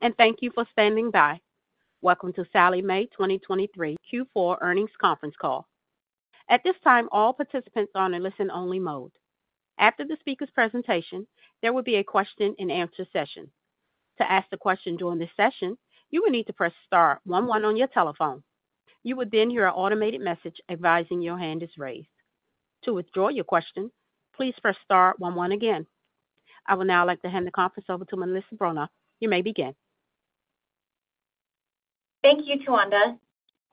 Hello, and thank you for standing by. Welcome to Sallie Mae 2023 Q4 earnings conference call. At this time, all participants are on a listen-only mode. After the speaker's presentation, there will be a question-and-answer session. To ask the question during this session, you will need to press star one one on your telephone. You would then hear an automated message advising your hand is raised. To withdraw your question, please press star one one again. I will now like to hand the conference over to Melissa Bronaugh. You may begin. Thank you, Tawanda.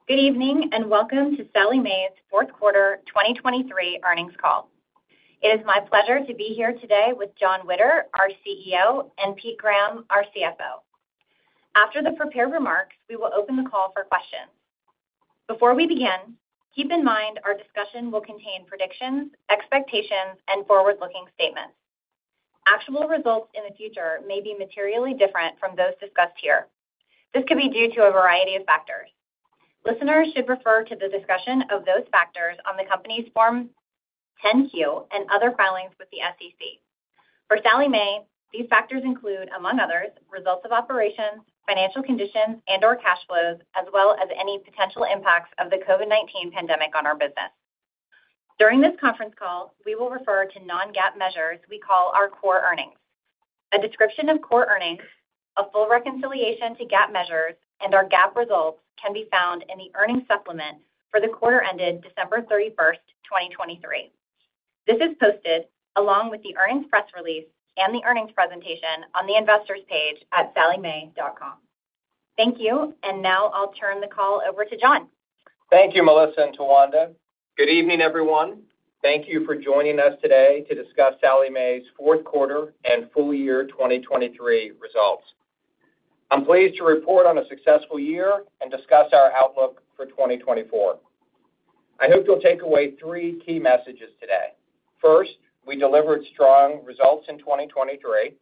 Good evening, and welcome to Sallie Mae's fourth quarter 2023 earnings call. It is my pleasure to be here today with Jon Witter, our CEO, and Peter Graham, our CFO. After the prepared remarks, we will open the call for questions. Before we begin, keep in mind our discussion will contain predictions, expectations, and forward-looking statements. Actual results in the future may be materially different from those discussed here. This could be due to a variety of factors. Listeners should refer to the discussion of those factors on the company's Form 10-Q and other filings with the SEC. For Sallie Mae, these factors include, among others, results of operations, financial conditions, and/or cash flows, as well as any potential impacts of the COVID-19 pandemic on our business. During this conference call, we will refer to non-GAAP measures we call our core earnings. A description of core earnings, a full reconciliation to GAAP measures, and our GAAP results can be found in the earnings supplement for the quarter ended December 31, 2023. This is posted along with the earnings press release and the earnings presentation on the Investors page at salliemae.com. Thank you, and now I'll turn the call over to Jon. Thank you, Melissa and Tawanda. Good evening, everyone. Thank you for joining us today to discuss Sallie Mae's fourth quarter and full year 2023 results. I'm pleased to report on a successful year and discuss our outlook for 2024. I hope you'll take away three key messages today. First, we delivered strong results in 2023.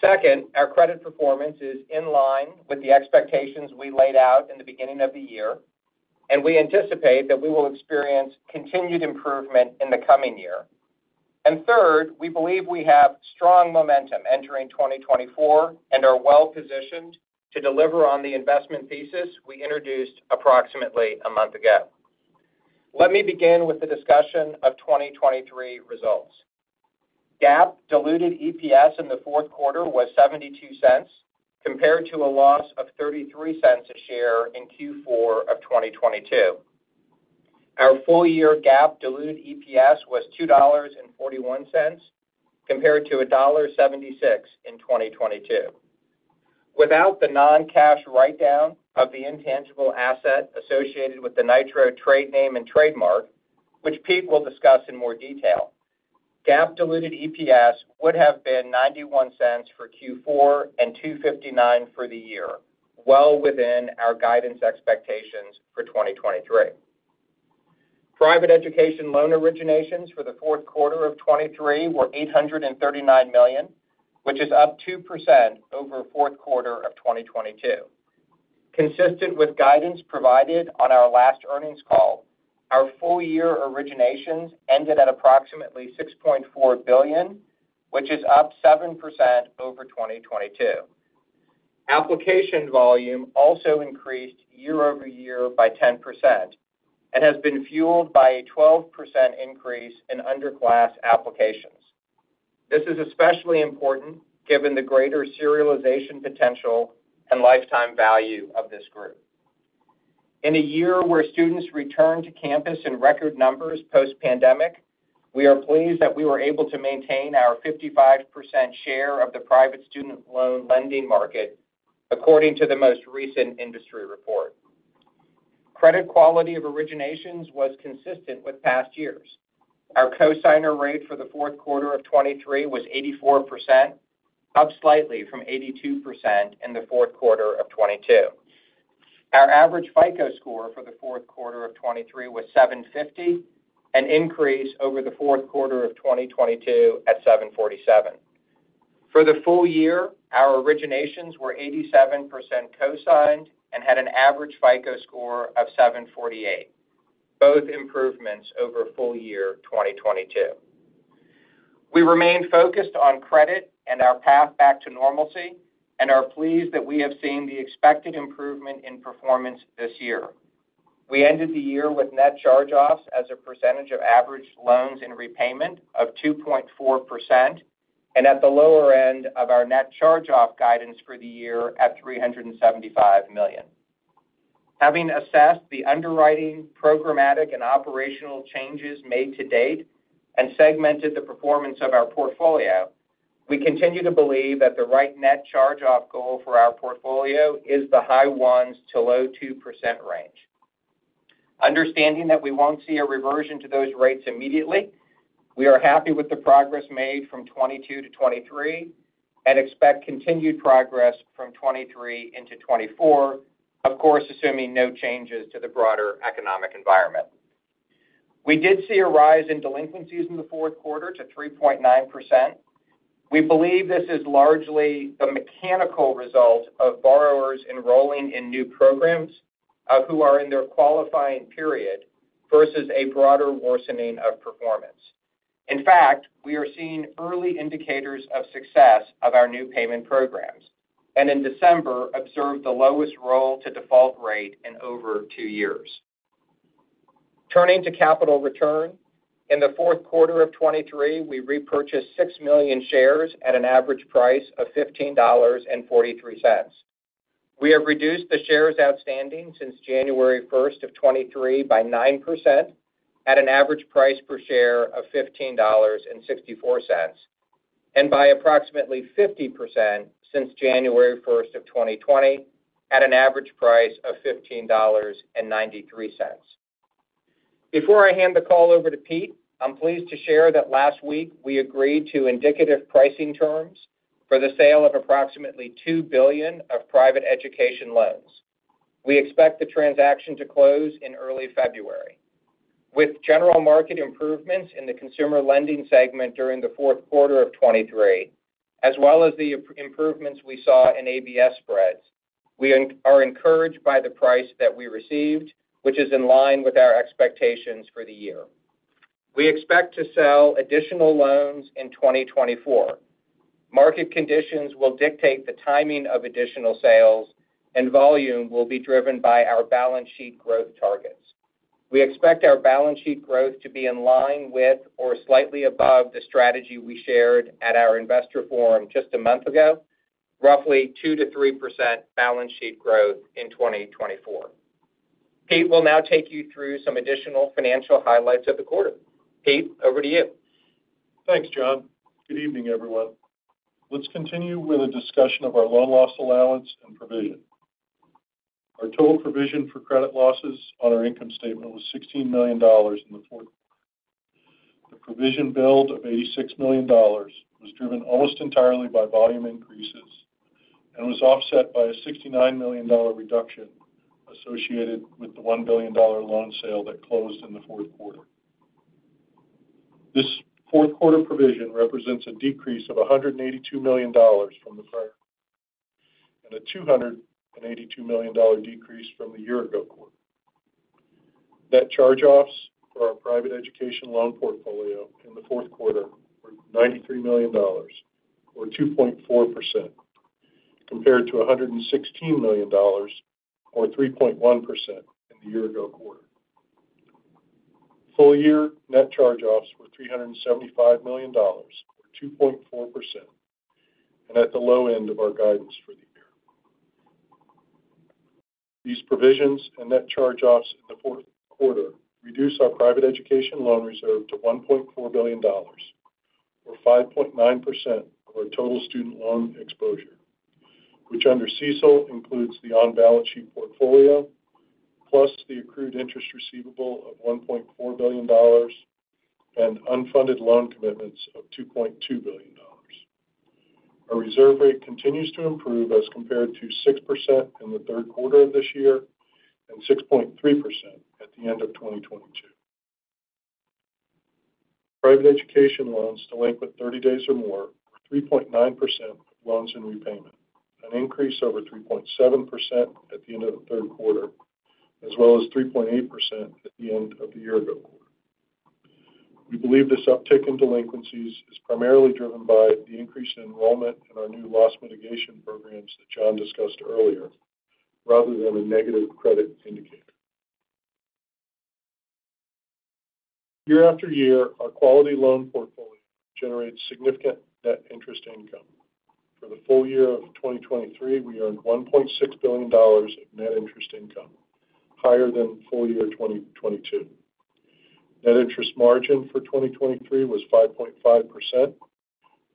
Second, our credit performance is in line with the expectations we laid out in the beginning of the year, and we anticipate that we will experience continued improvement in the coming year. And third, we believe we have strong momentum entering 2024 and are well-positioned to deliver on the investment thesis we introduced approximately a month ago. Let me begin with the discussion of 2023 results. GAAP diluted EPS in the fourth quarter was $0.72, compared to a loss of $0.33 a share in Q4 of 2022. Our full year GAAP diluted EPS was $2.41, compared to $1.76 in 2022. Without the non-cash write-down of the intangible asset associated with the Nitro trade name and trademark, which Pete will discuss in more detail, GAAP diluted EPS would have been $0.91 for Q4 and $2.59 for the year, well within our guidance expectations for 2023. Private education loan originations for the fourth quarter of 2023 were $839 million, which is up 2% over fourth quarter of 2022. Consistent with guidance provided on our last earnings call, our full year originations ended at approximately $6.4 billion, which is up 7% over 2022. Application volume also increased year-over-year by 10% and has been fueled by a 12% increase in underclass applications. This is especially important given the greater serialization potential and lifetime value of this group. In a year where students returned to campus in record numbers post-pandemic, we are pleased that we were able to maintain our 55% share of the private student loan lending market, according to the most recent industry report. Credit quality of originations was consistent with past years. Our cosigner rate for the fourth quarter of 2023 was 84%, up slightly from 82% in the fourth quarter of 2022. Our average FICO score for the fourth quarter of 2023 was 750, an increase over the fourth quarter of 2022 at 747. For the full year, our originations were 87% cosigned and had an average FICO score of 748, both improvements over full year 2022. We remain focused on credit and our path back to normalcy and are pleased that we have seen the expected improvement in performance this year. We ended the year with net charge-offs as a percentage of average loans and repayment of 2.4%, and at the lower end of our net charge-off guidance for the year at $375 million. Having assessed the underwriting, programmatic, and operational changes made to date and segmented the performance of our portfolio, we continue to believe that the right net charge-off goal for our portfolio is the high 1%s-low 2% range. Understanding that we won't see a reversion to those rates immediately, we are happy with the progress made from 2022 to 2023 and expect continued progress from 2023 into 2024, of course, assuming no changes to the broader economic environment. We did see a rise in delinquencies in the fourth quarter to 3.9%. We believe this is largely the mechanical result of borrowers enrolling in new programs, who are in their qualifying period versus a broader worsening of performance. In fact, we are seeing early indicators of success of our new payment programs, and in December, observed the lowest roll-to-default rate in over two years. Turning to capital return, in the fourth quarter of 2023, we repurchased 6 million shares at an average price of $15.43. We have reduced the shares outstanding since January 1, 2023 by 9% at an average price per share of $15.64, and by approximately 50% since January 1, 2020, at an average price of $15.93. Before I hand the call over to Pete, I'm pleased to share that last week we agreed to indicative pricing terms for the sale of approximately $2 billion of private education loans. We expect the transaction to close in early February. With general market improvements in the consumer lending segment during the fourth quarter of 2023, as well as the improvements we saw in ABS spreads, we are encouraged by the price that we received, which is in line with our expectations for the year. We expect to sell additional loans in 2024. Market conditions will dictate the timing of additional sales, and volume will be driven by our balance sheet growth targets. We expect our balance sheet growth to be in line with or slightly above the strategy we shared at our investor forum just a month ago, roughly 2%-3% balance sheet growth in 2024. Pete will now take you through some additional financial highlights of the quarter. Pete, over to you. Thanks, Jon. Good evening, everyone. Let's continue with a discussion of our loan loss allowance and provision. Our total provision for credit losses on our income statement was $16 million in the fourth. The provision build of $86 million was driven almost entirely by volume increases and was offset by a $69 million reduction associated with the $1 billion loan sale that closed in the fourth quarter. This fourth quarter provision represents a decrease of $182 million from the prior, and a $282 million decrease from the year-ago quarter. Net charge-offs for our private education loan portfolio in the fourth quarter were $93 million, or 2.4%, compared to $116 million, or 3.1% in the year-ago quarter. Full-year net charge-offs were $375 million, or 2.4%, and at the low end of our guidance for the year. These provisions and net charge-offs in the fourth quarter reduce our private education loan reserve to $1.4 billion, or 5.9% of our total student loan exposure, which under CECL includes the on-balance sheet portfolio, plus the accrued interest receivable of $1.4 billion and unfunded loan commitments of $2.2 billion. Our reserve rate continues to improve as compared to 6% in the third quarter of this year and 6.3% at the end of 2022. Private education loans delinquent 30 days or more were 3.9% of loans in repayment, an increase over 3.7% at the end of the third quarter, as well as 3.8% at the end of the year-ago quarter. We believe this uptick in delinquencies is primarily driven by the increase in enrollment in our new loss mitigation programs that Jon discussed earlier, rather than a negative credit indicator. year-after-year, our quality loan portfolio generates significant net interest income. For the full year of 2023, we earned $1.6 billion of net interest income, higher than full year 2022. Net interest margin for 2023 was 5.5%,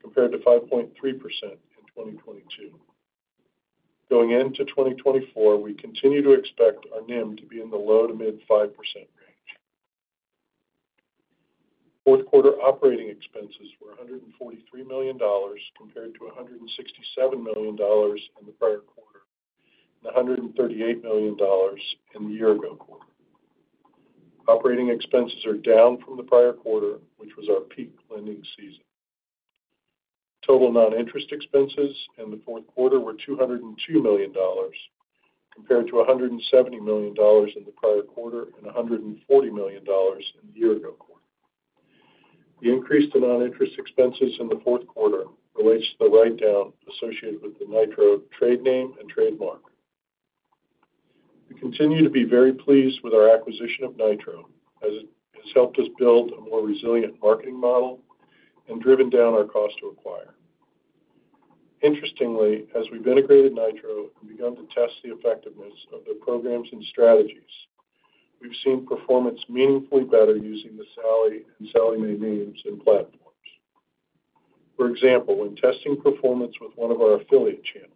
compared to 5.3% in 2022. Going into 2024, we continue to expect our NIM to be in the low- to mid-5% range. Fourth quarter operating expenses were $143 million, compared to $167 million in the prior quarter, and $138 million in the year-ago quarter. Operating expenses are down from the prior quarter, which was our peak lending season. Total non-interest expenses in the fourth quarter were $202 million, compared to $170 million in the prior quarter and $140 million in the year-ago quarter. The increase to non-interest expenses in the fourth quarter relates to the write-down associated with the Nitro trade name and trademark. We continue to be very pleased with our acquisition of Nitro, as it has helped us build a more resilient marketing model and driven down our cost to acquire. Interestingly, as we've integrated Nitro and begun to test the effectiveness of their programs and strategies, we've seen performance meaningfully better using the Sallie and Sallie Mae names and platforms. For example, when testing performance with one of our affiliate channels,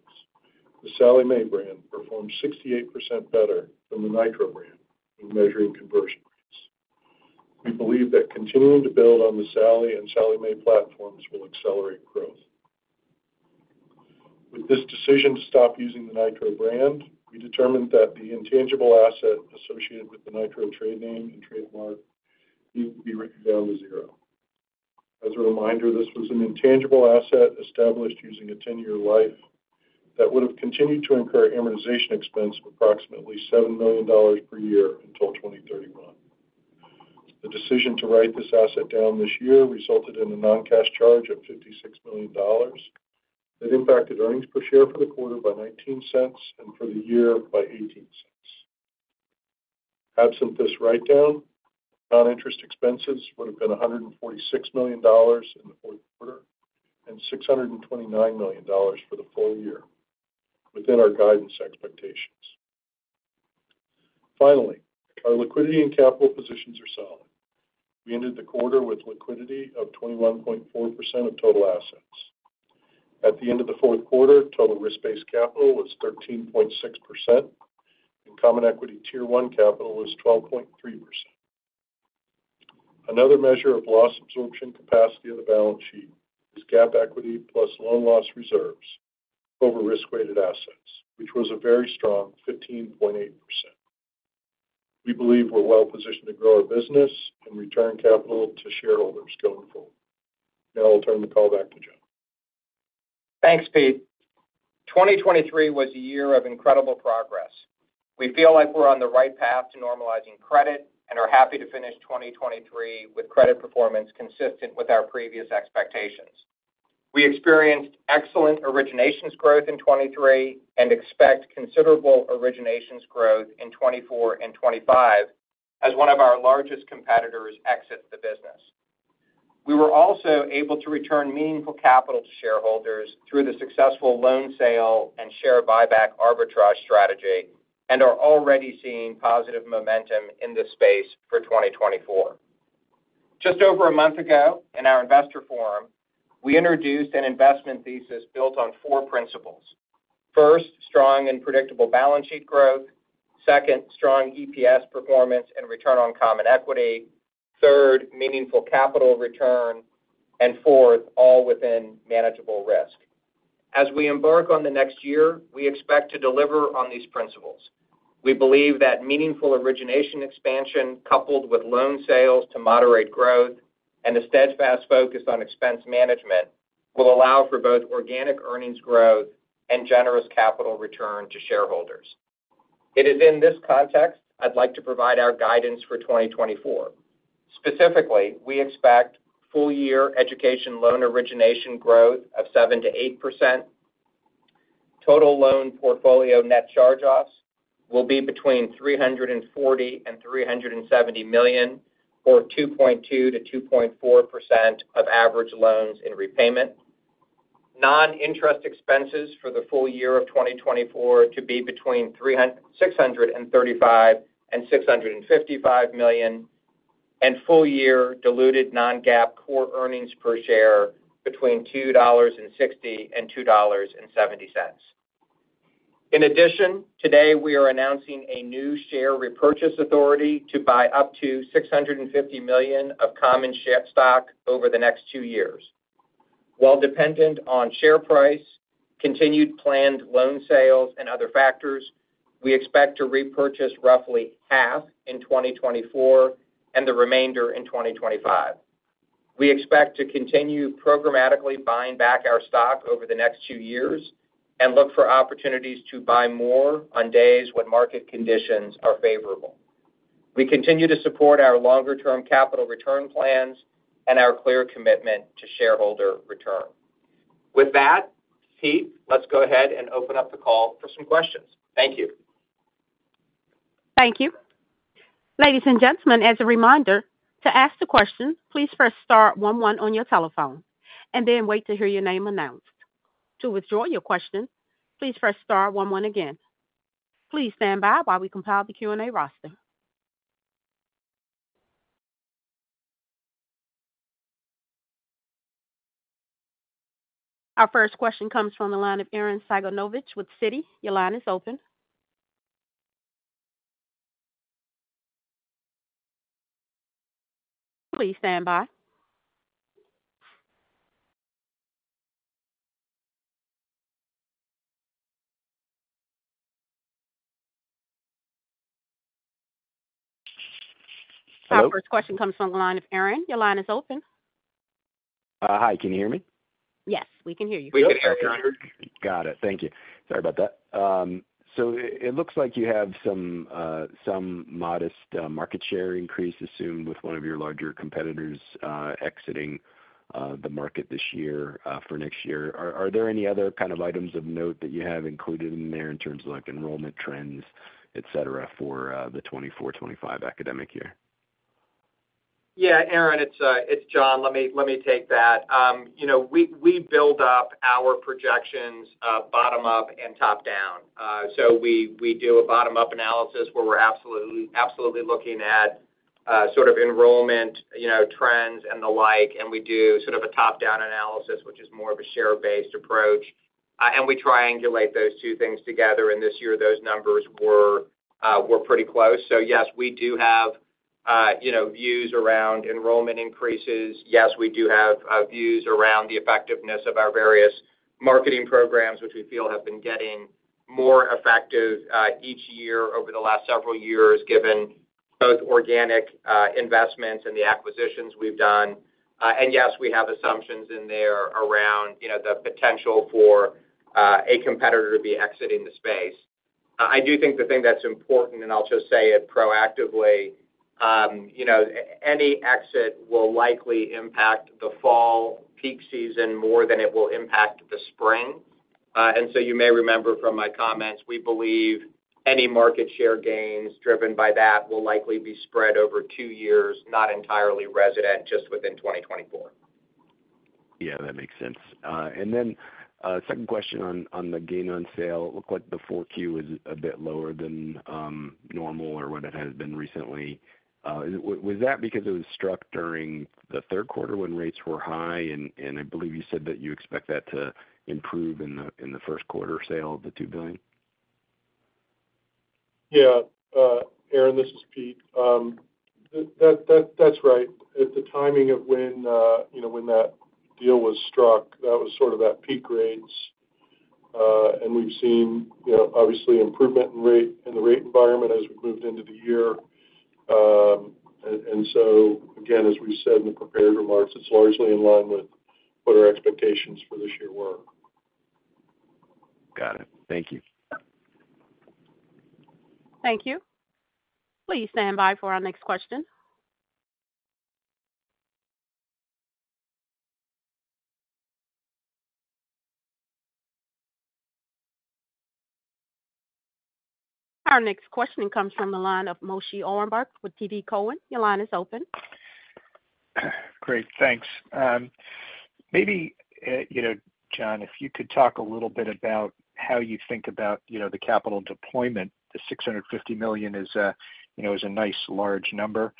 the Sallie Mae brand performed 68% better than the Nitro brand in measuring conversion rates. We believe that continuing to build on the Sallie and Sallie Mae platforms will accelerate growth. With this decision to stop using the Nitro brand, we determined that the intangible asset associated with the Nitro trade name and trademark need to be written down to zero. As a reminder, this was an intangible asset established using a 10-year life....That would have continued to incur amortization expense of approximately $7 million per year until 2031. The decision to write this asset down this year resulted in a non-cash charge of $56 million. That impacted earnings per share for the quarter by $0.19 and for the year by $0.18. Absent this write-down, non-interest expenses would have been $146 million in the fourth quarter and $629 million for the full year, within our guidance expectations. Finally, our liquidity and capital positions are solid. We ended the quarter with liquidity of 21.4% of total assets. At the end of the fourth quarter, total risk-based capital was 13.6%, and common equity Tier 1 capital was 12.3%. Another measure of loss absorption capacity of the balance sheet is GAAP equity plus loan loss reserves over risk-weighted assets, which was a very strong 15.8%. We believe we're well-positioned to grow our business and return capital to shareholders going forward. Now I'll turn the call back to Jon. Thanks, Pete. 2023 was a year of incredible progress. We feel like we're on the right path to normalizing credit and are happy to finish 2023 with credit performance consistent with our previous expectations. We experienced excellent originations growth in 2023 and expect considerable originations growth in 2024 and 2025 as one of our largest competitors exits the business. We were also able to return meaningful capital to shareholders through the successful loan sale and share buyback arbitrage strategy and are already seeing positive momentum in this space for 2024. Just over a month ago, in our investor forum, we introduced an investment thesis built on four principles. First, strong and predictable balance sheet growth. Second, strong EPS performance and return on common equity. Third, meaningful capital return. And fourth, all within manageable risk. As we embark on the next year, we expect to deliver on these principles. We believe that meaningful origination expansion, coupled with loan sales to moderate growth and a steadfast focus on expense management, will allow for both organic earnings growth and generous capital return to shareholders. It is in this context, I'd like to provide our guidance for 2024. Specifically, we expect full year education loan origination growth of 7%-8%. Total loan portfolio net charge-offs will be between $340 million and $370 million, or 2.2%-2.4% of average loans in repayment. Non-interest expenses for the full year of 2024 to be between $335 million and $655 million, and full year diluted non-GAAP core earnings per share between $2.60 and $2.70. In addition, today we are announcing a new share repurchase authority to buy up to $650 million of common share stock over the next two years. While dependent on share price, continued planned loan sales, and other factors, we expect to repurchase roughly half in 2024 and the remainder in 2025. We expect to continue programmatically buying back our stock over the next two years and look for opportunities to buy more on days when market conditions are favorable. We continue to support our longer-term capital return plans and our clear commitment to shareholder return. With that, Pete, let's go ahead and open up the call for some questions. Thank you. Thank you. Ladies and gentlemen, as a reminder, to ask the question, please press star one one on your telephone and then wait to hear your name announced. To withdraw your question, please press star one one again. Please stand by while we compile the Q&A roster. Our first question comes from the line of Arren Cyganovich with Citi. Your line is open. Please stand by. Hello? Our first question comes from the line of Arren. Your line is open. Hi, can you hear me? Yes, we can hear you. We can hear you. Got it. Thank you. Sorry about that. So it looks like you have some modest market share increases soon with one of your larger competitors exiting the market this year for next year. Are there any other kind of items of note that you have included in there in terms of, like, enrollment trends, et cetera, for the 2024-2025 academic year? Yeah, Arren, it's Jon. Let me take that. You know, we build up our projections bottom up and top down. So we do a bottom-up analysis, where we're absolutely looking at sort of enrollment, you know, trends and the like, and we do sort of a top-down analysis, which is more of a share-based approach, and we triangulate those two things together, and this year, those numbers were pretty close. So yes, we do have, you know, views around enrollment increases. Yes, we do have views around the effectiveness of our various marketing programs, which we feel have been getting more effective each year over the last several years, given both organic investments and the acquisitions we've done. And yes, we have assumptions in there around, you know, the potential for a competitor to be exiting the space. I do think the thing that's important, and I'll just say it proactively, you know, any exit will likely impact the fall peak season more than it will impact the spring. And so you may remember from my comments, we believe any market share gains driven by that will likely be spread over two years, not entirely resident just within 2024. Yeah, that makes sense. Second question on the gain on sale. It looked like the 4Q is a bit lower than normal or what it has been recently. Was that because it was struck during the third quarter when rates were high? And I believe you said that you expect that to improve in the first quarter sale of the $2 billion. Yeah, Arren, this is Pete. That's right. At the timing of when, you know, when that deal was struck, that was sort of at peak rates. And we've seen, you know, obviously improvement in rate, in the rate environment as we moved into the year. And so again, as we said in the prepared remarks, it's largely in line with what our expectations for this year were. Got it. Thank you. Thank you. Please stand by for our next question. Our next question comes from the line of Moshe Orenbuch with TD Cowen. Your line is open. Great, thanks. Maybe, you know, Jon, if you could talk a little bit about how you think about, you know, the capital deployment. The $650 million is, you know, is a nice large number.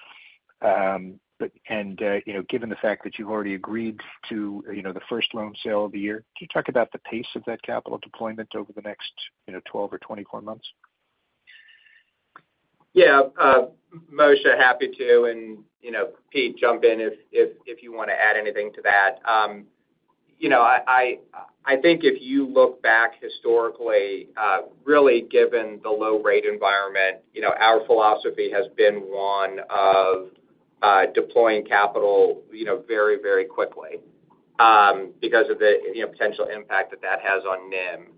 But and, you know, given the fact that you've already agreed to, you know, the first loan sale of the year, can you talk about the pace of that capital deployment over the next, you know, 12 or 24 months? Yeah, Moshe, happy to, and, you know, Pete, jump in if you want to add anything to that. You know, I think if you look back historically, really given the low rate environment, you know, our philosophy has been one of deploying capital, you know, very, very quickly, because of the, you know, potential impact that that has on NIM.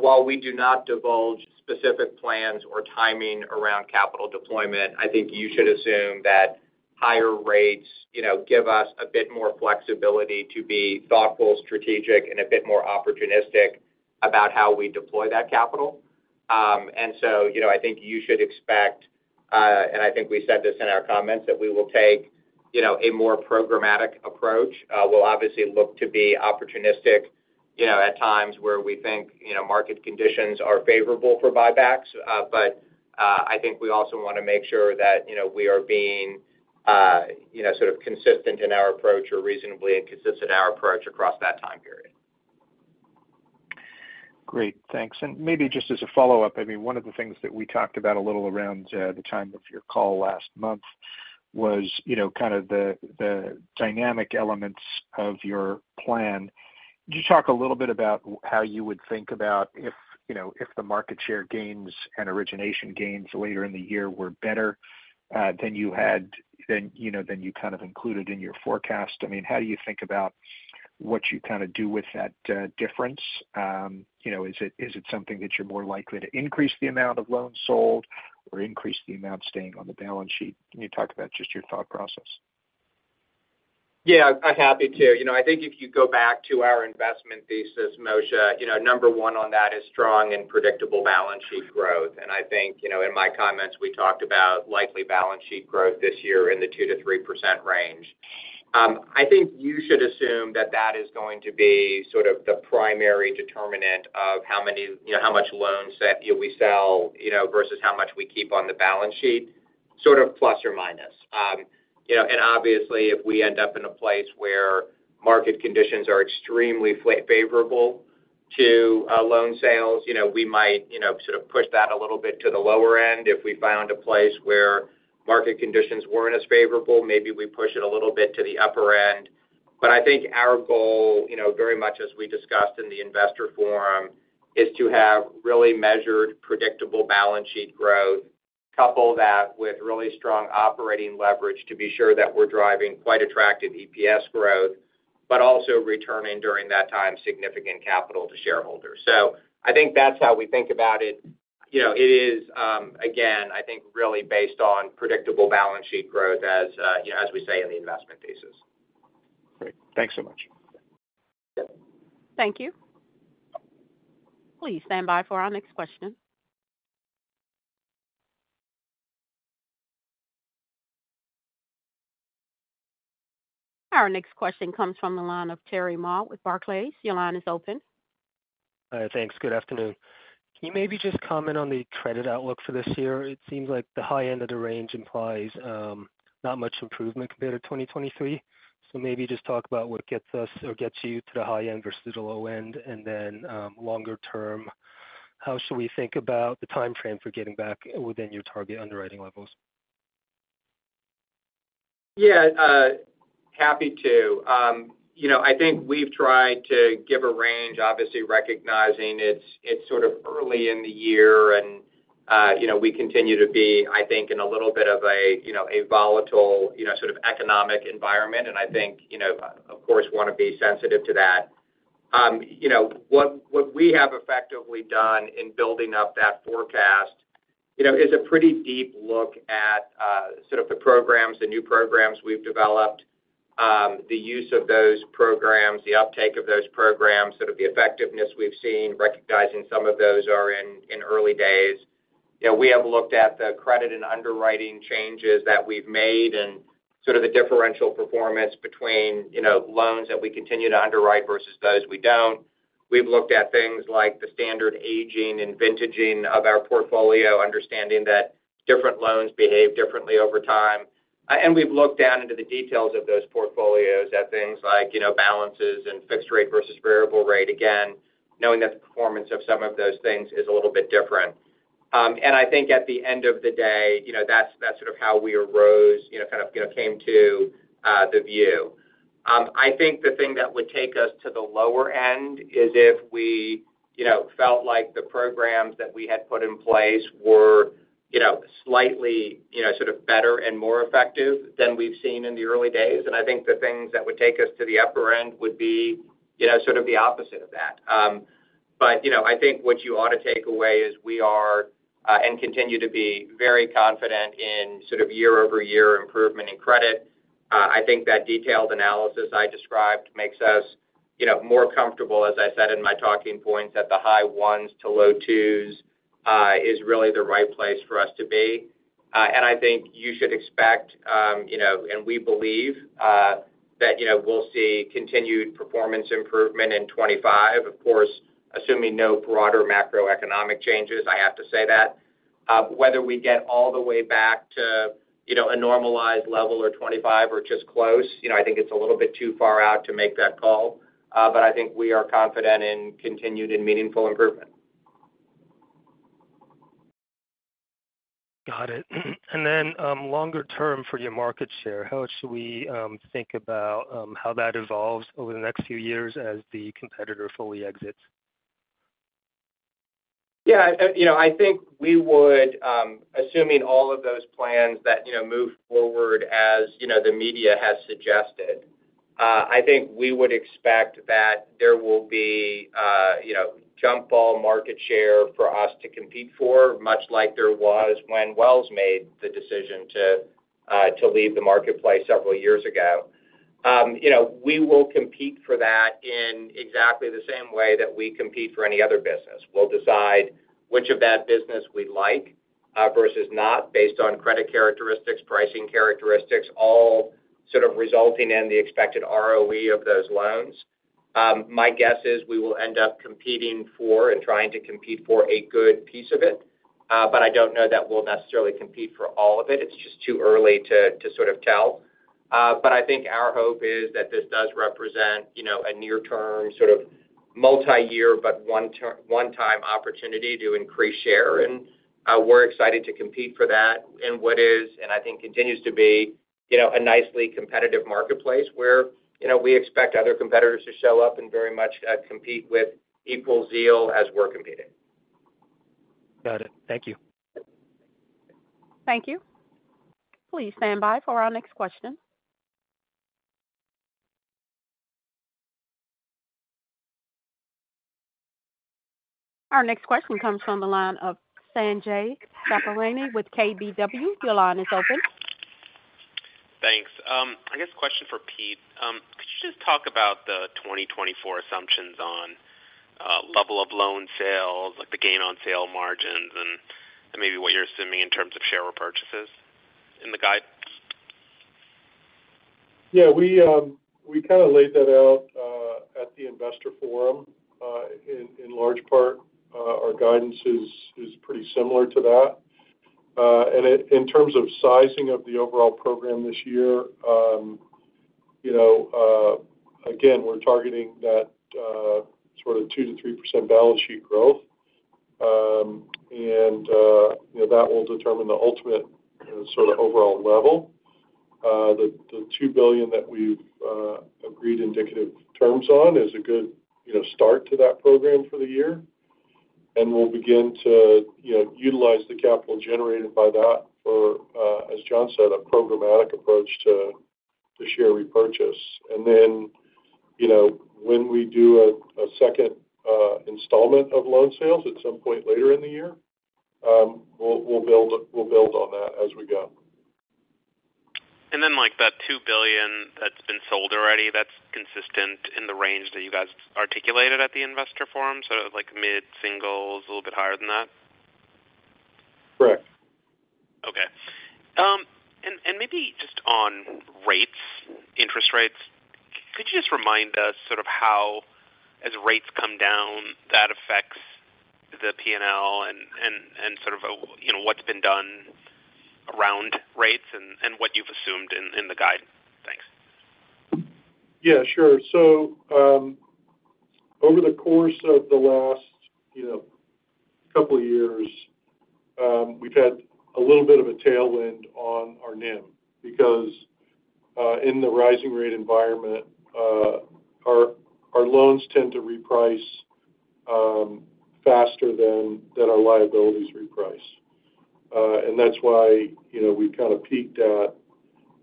While we do not divulge specific plans or timing around capital deployment, I think you should assume that higher rates, you know, give us a bit more flexibility to be thoughtful, strategic, and a bit more opportunistic about how we deploy that capital. And so, you know, I think you should expect, and I think we said this in our comments, that we will take, you know, a more programmatic approach. We'll obviously look to be opportunistic, you know, at times where we think, you know, market conditions are favorable for buybacks. But I think we also want to make sure that, you know, we are being, you know, sort of consistent in our approach or reasonably consistent in our approach across that time period. Great, thanks. And maybe just as a follow-up, I mean, one of the things that we talked about a little around the time of your call last month was, you know, kind of the dynamic elements of your plan. Could you talk a little bit about how you would think about if, you know, if the market share gains and origination gains later in the year were better than you had, you know, than you kind of included in your forecast? I mean, how do you think about what you kind of do with that difference? You know, is it, is it something that you're more likely to increase the amount of loans sold or increase the amount staying on the balance sheet? Can you talk about just your thought process? Yeah, I'm happy to. You know, I think if you go back to our investment thesis, Moshe, you know, number one on that is strong and predictable balance sheet growth. And I think, you know, in my comments, we talked about likely balance sheet growth this year in the 2%-3% range. I think you should assume that that is going to be sort of the primary determinant of how much loans that we sell, you know, versus how much we keep on the balance sheet, sort of plus or minus. You know, and obviously, if we end up in a place where market conditions are extremely favorable to loan sales, you know, we might, you know, sort of push that a little bit to the lower end. If we found a place where market conditions weren't as favorable, maybe we push it a little bit to the upper end. But I think our goal, you know, very much as we discussed in the investor forum, is to have really measured, predictable balance sheet growth, couple that with really strong operating leverage to be sure that we're driving quite attractive EPS growth, but also returning during that time, significant capital to shareholders. So I think that's how we think about it. You know, it is, again, I think, really based on predictable balance sheet growth as, you know, as we say in the investment thesis. Great. Thanks so much. Thank you. Please stand by for our next question. Our next question comes from the line of Terry Ma with Barclays. Your line is open. Thanks. Good afternoon. Can you maybe just comment on the credit outlook for this year? It seems like the high end of the range implies not much improvement compared to 2023. So maybe just talk about what gets us or gets you to the high end versus the low end, and then longer term, how should we think about the time frame for getting back within your target underwriting levels? Yeah, happy to. You know, I think we've tried to give a range, obviously recognizing it's sort of early in the year, and you know, we continue to be, I think, in a little bit of a volatile sort of economic environment. And I think, you know, of course, want to be sensitive to that. You know, what we have effectively done in building up that forecast is a pretty deep look at sort of the programs, the new programs we've developed, the use of those programs, the uptake of those programs, sort of the effectiveness we've seen, recognizing some of those are in early days. You know, we have looked at the credit and underwriting changes that we've made and sort of the differential performance between, you know, loans that we continue to underwrite versus those we don't. We've looked at things like the standard aging and vintaging of our portfolio, understanding that different loans behave differently over time. And we've looked down into the details of those portfolios at things like, you know, balances and fixed rate versus variable rate, again, knowing that the performance of some of those things is a little bit different. And I think at the end of the day, you know, that's, that's sort of how we arose, you know, kind of, you know, came to the view. I think the thing that would take us to the lower end is if we, you know, felt like the programs that we had put in place were, you know, slightly, you know, sort of better and more effective than we've seen in the early days. And I think the things that would take us to the upper end would be, you know, sort of the opposite of that. You know, I think what you ought to take away is we are and continue to be very confident in sort of year-over-year improvement in credit. I think that detailed analysis I described makes us, you know, more comfortable, as I said in my talking points, that the high 1%s-low 2%s is really the right place for us to be. I think you should expect, you know, and we believe that, you know, we'll see continued performance improvement in 2025, of course, assuming no broader macroeconomic changes. I have to say that. Whether we get all the way back to, you know, a normalized level of 25 or just close, you know, I think it's a little bit too far out to make that call, but I think we are confident in continued and meaningful improvement. Got it. And then, longer term for your market share, how should we think about how that evolves over the next few years as the competitor fully exits? Yeah, you know, I think we would, assuming all of those plans that, you know, move forward as, you know, the media has suggested, I think we would expect that there will be, you know, jump ball market share for us to compete for, much like there was when Wells made the decision to leave the marketplace several years ago. You know, we will compete for that in exactly the same way that we compete for any other business. We'll decide which of that business we like, versus not based on credit characteristics, pricing characteristics, all sort of resulting in the expected ROE of those loans. My guess is we will end up competing for and trying to compete for a good piece of it, but I don't know that we'll necessarily compete for all of it. It's just too early to sort of tell. But I think our hope is that this does represent, you know, a near-term, sort of multi-year, but one-time opportunity to increase share, and we're excited to compete for that in what is, and I think continues to be, you know, a nicely competitive marketplace, where, you know, we expect other competitors to show up and very much compete with equal zeal as we're competing. Got it. Thank you. Thank you. Please stand by for our next question. Our next question comes from the line of Sanjay Sakhrani with KBW. Your line is open. Thanks. I guess question for Pete. Could you just talk about the 2024 assumptions on level of loan sales, like the gain on sale margins, and maybe what you're assuming in terms of share repurchases in the guide? Yeah, we, we kind of laid that out at the investor forum. In large part, our guidance is pretty similar to that. And in terms of sizing of the overall program this year, you know, again, we're targeting that sort of 2%-3% balance sheet growth. And, you know, that will determine the ultimate sort of overall level. The $2 billion that we've agreed indicative terms on is a good, you know, start to that program for the year. And we'll begin to, you know, utilize the capital generated by that for, as Jon said, a programmatic approach to share repurchase. And then, you know, when we do a second installment of loan sales at some point later in the year, we'll build on that as we go. And then, like, that $2 billion that's been sold already, that's consistent in the range that you guys articulated at the investor forum, sort of like mid-singles, a little bit higher than that? Correct. Okay. And maybe just on rates, interest rates, could you just remind us sort of how, as rates come down, that affects the P&L and sort of, you know, what's been done around rates and what you've assumed in the guidance? Yeah, sure. So, over the course of the last, you know, couple of years, we've had a little bit of a tailwind on our NIM. Because, in the rising rate environment, our loans tend to reprice faster than our liabilities reprice. And that's why, you know, we've kind of peaked at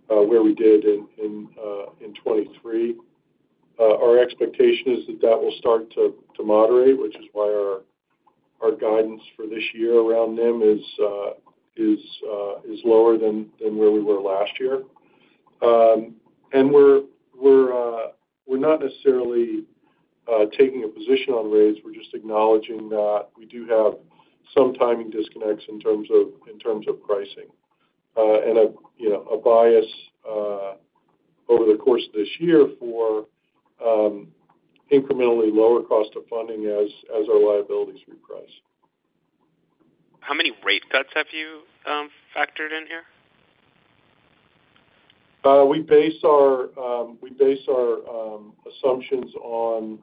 where we did in 2023. Our expectation is that that will start to moderate, which is why our guidance for this year around NIM is lower than where we were last year. And we're not necessarily taking a position on rates. We're just acknowledging that we do have some timing disconnects in terms of pricing. And you know a bias over the course of this year for incrementally lower cost of funding as our liabilities reprice. How many rate cuts have you factored in here? We base our assumptions on,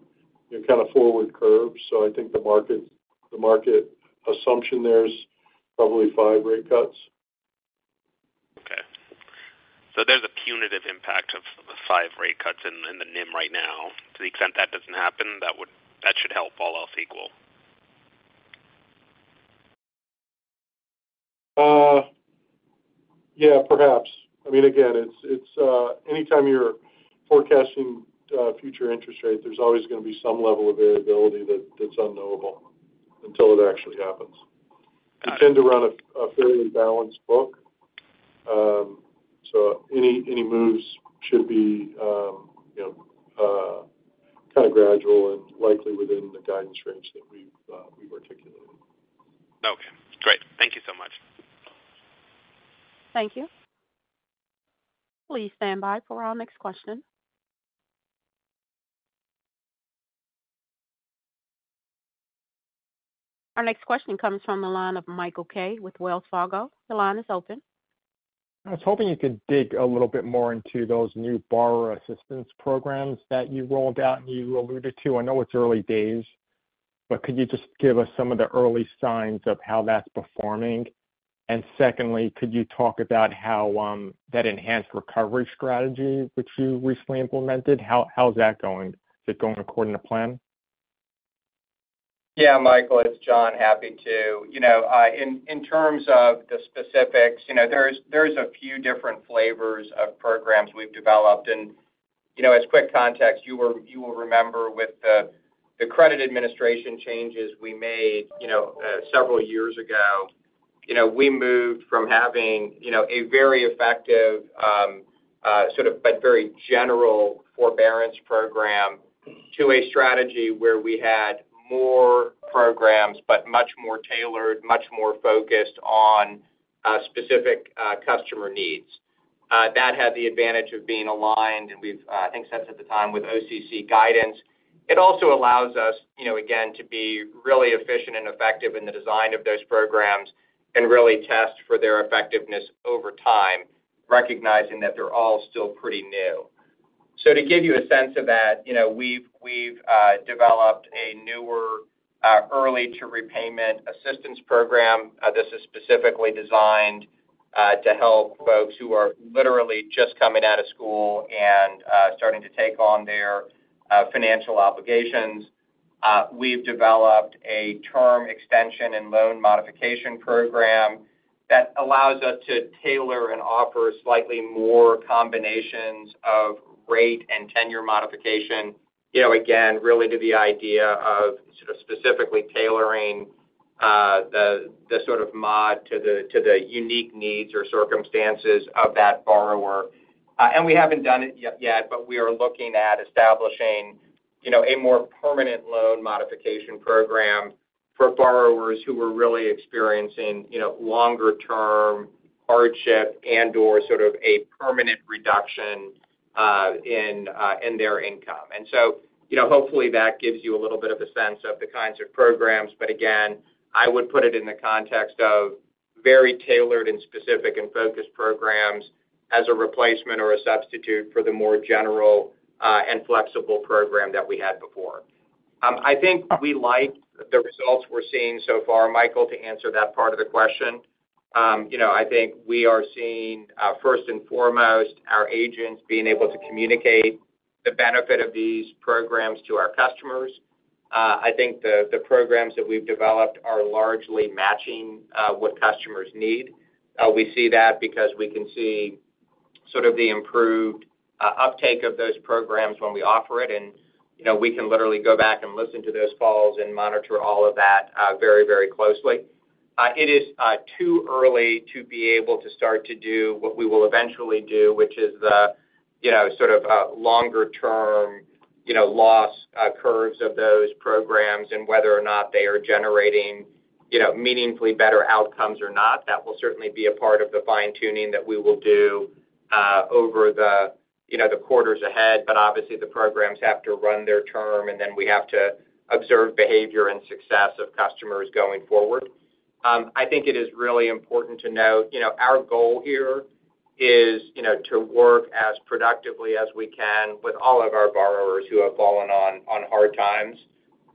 you know, kind of forward curves. So I think the market assumption there is probably five rate cuts. Okay. So there's a punitive impact of the five rate cuts in the NIM right now. To the extent that doesn't happen, that would, that should help all else equal? Yeah, perhaps. I mean, again, it's anytime you're forecasting future interest rates, there's always going to be some level of variability that's unknowable until it actually happens. Got it. We tend to run a fairly balanced book. So any moves should be, you know, kind of gradual and likely within the guidance range that we've articulated. Okay, great. Thank you so much. Thank you. Please stand by for our next question. Our next question comes from the line of Michael Kaye with Wells Fargo. Your line is open. I was hoping you could dig a little bit more into those new borrower assistance programs that you rolled out and you alluded to. I know it's early days, but could you just give us some of the early signs of how that's performing? And secondly, could you talk about how that enhanced recovery strategy, which you recently implemented, how's that going? Is it going according to plan? Yeah, Michael, it's Jon. Happy to. You know, in terms of the specifics, you know, there's a few different flavors of programs we've developed. And, you know, as quick context, you will remember with the credit administration changes we made, you know, several years ago. You know, we moved from having, you know, a very effective, sort of, but very general forbearance program to a strategy where we had more programs, but much more tailored, much more focused on specific customer needs. That had the advantage of being aligned, and we've, I think since at the time with OCC guidance. It also allows us, you know, again, to be really efficient and effective in the design of those programs and really test for their effectiveness over time, recognizing that they're all still pretty new. So to give you a sense of that, you know, we've developed a newer early to repayment assistance program. This is specifically designed to help folks who are literally just coming out of school and starting to take on their financial obligations. We've developed a term extension and loan modification program that allows us to tailor and offer slightly more combinations of rate and tenure modification. You know, again, really to the idea of sort of specifically tailoring the sort of mod to the unique needs or circumstances of that borrower. And we haven't done it yet, but we are looking at establishing, you know, a more permanent loan modification program for borrowers who are really experiencing, you know, longer term hardship and or sort of a permanent reduction in their income. And so, you know, hopefully, that gives you a little bit of a sense of the kinds of programs. But again, I would put it in the context of very tailored and specific and focused programs as a replacement or a substitute for the more general and flexible program that we had before. I think we like the results we're seeing so far, Michael, to answer that part of the question. You know, I think we are seeing first and foremost, our agents being able to communicate the benefit of these programs to our customers. I think the programs that we've developed are largely matching what customers need. We see that because we can see sort of the improved uptake of those programs when we offer it. You know, we can literally go back and listen to those calls and monitor all of that very, very closely. It is too early to be able to start to do what we will eventually do, which is the, you know, sort of longer term, you know, loss curves of those programs and whether or not they are generating, you know, meaningfully better outcomes or not. That will certainly be a part of the fine-tuning that we will do over the, you know, the quarters ahead. But obviously, the programs have to run their term, and then we have to observe behavior and success of customers going forward.... I think it is really important to note, you know, our goal here is, you know, to work as productively as we can with all of our borrowers who have fallen on hard times.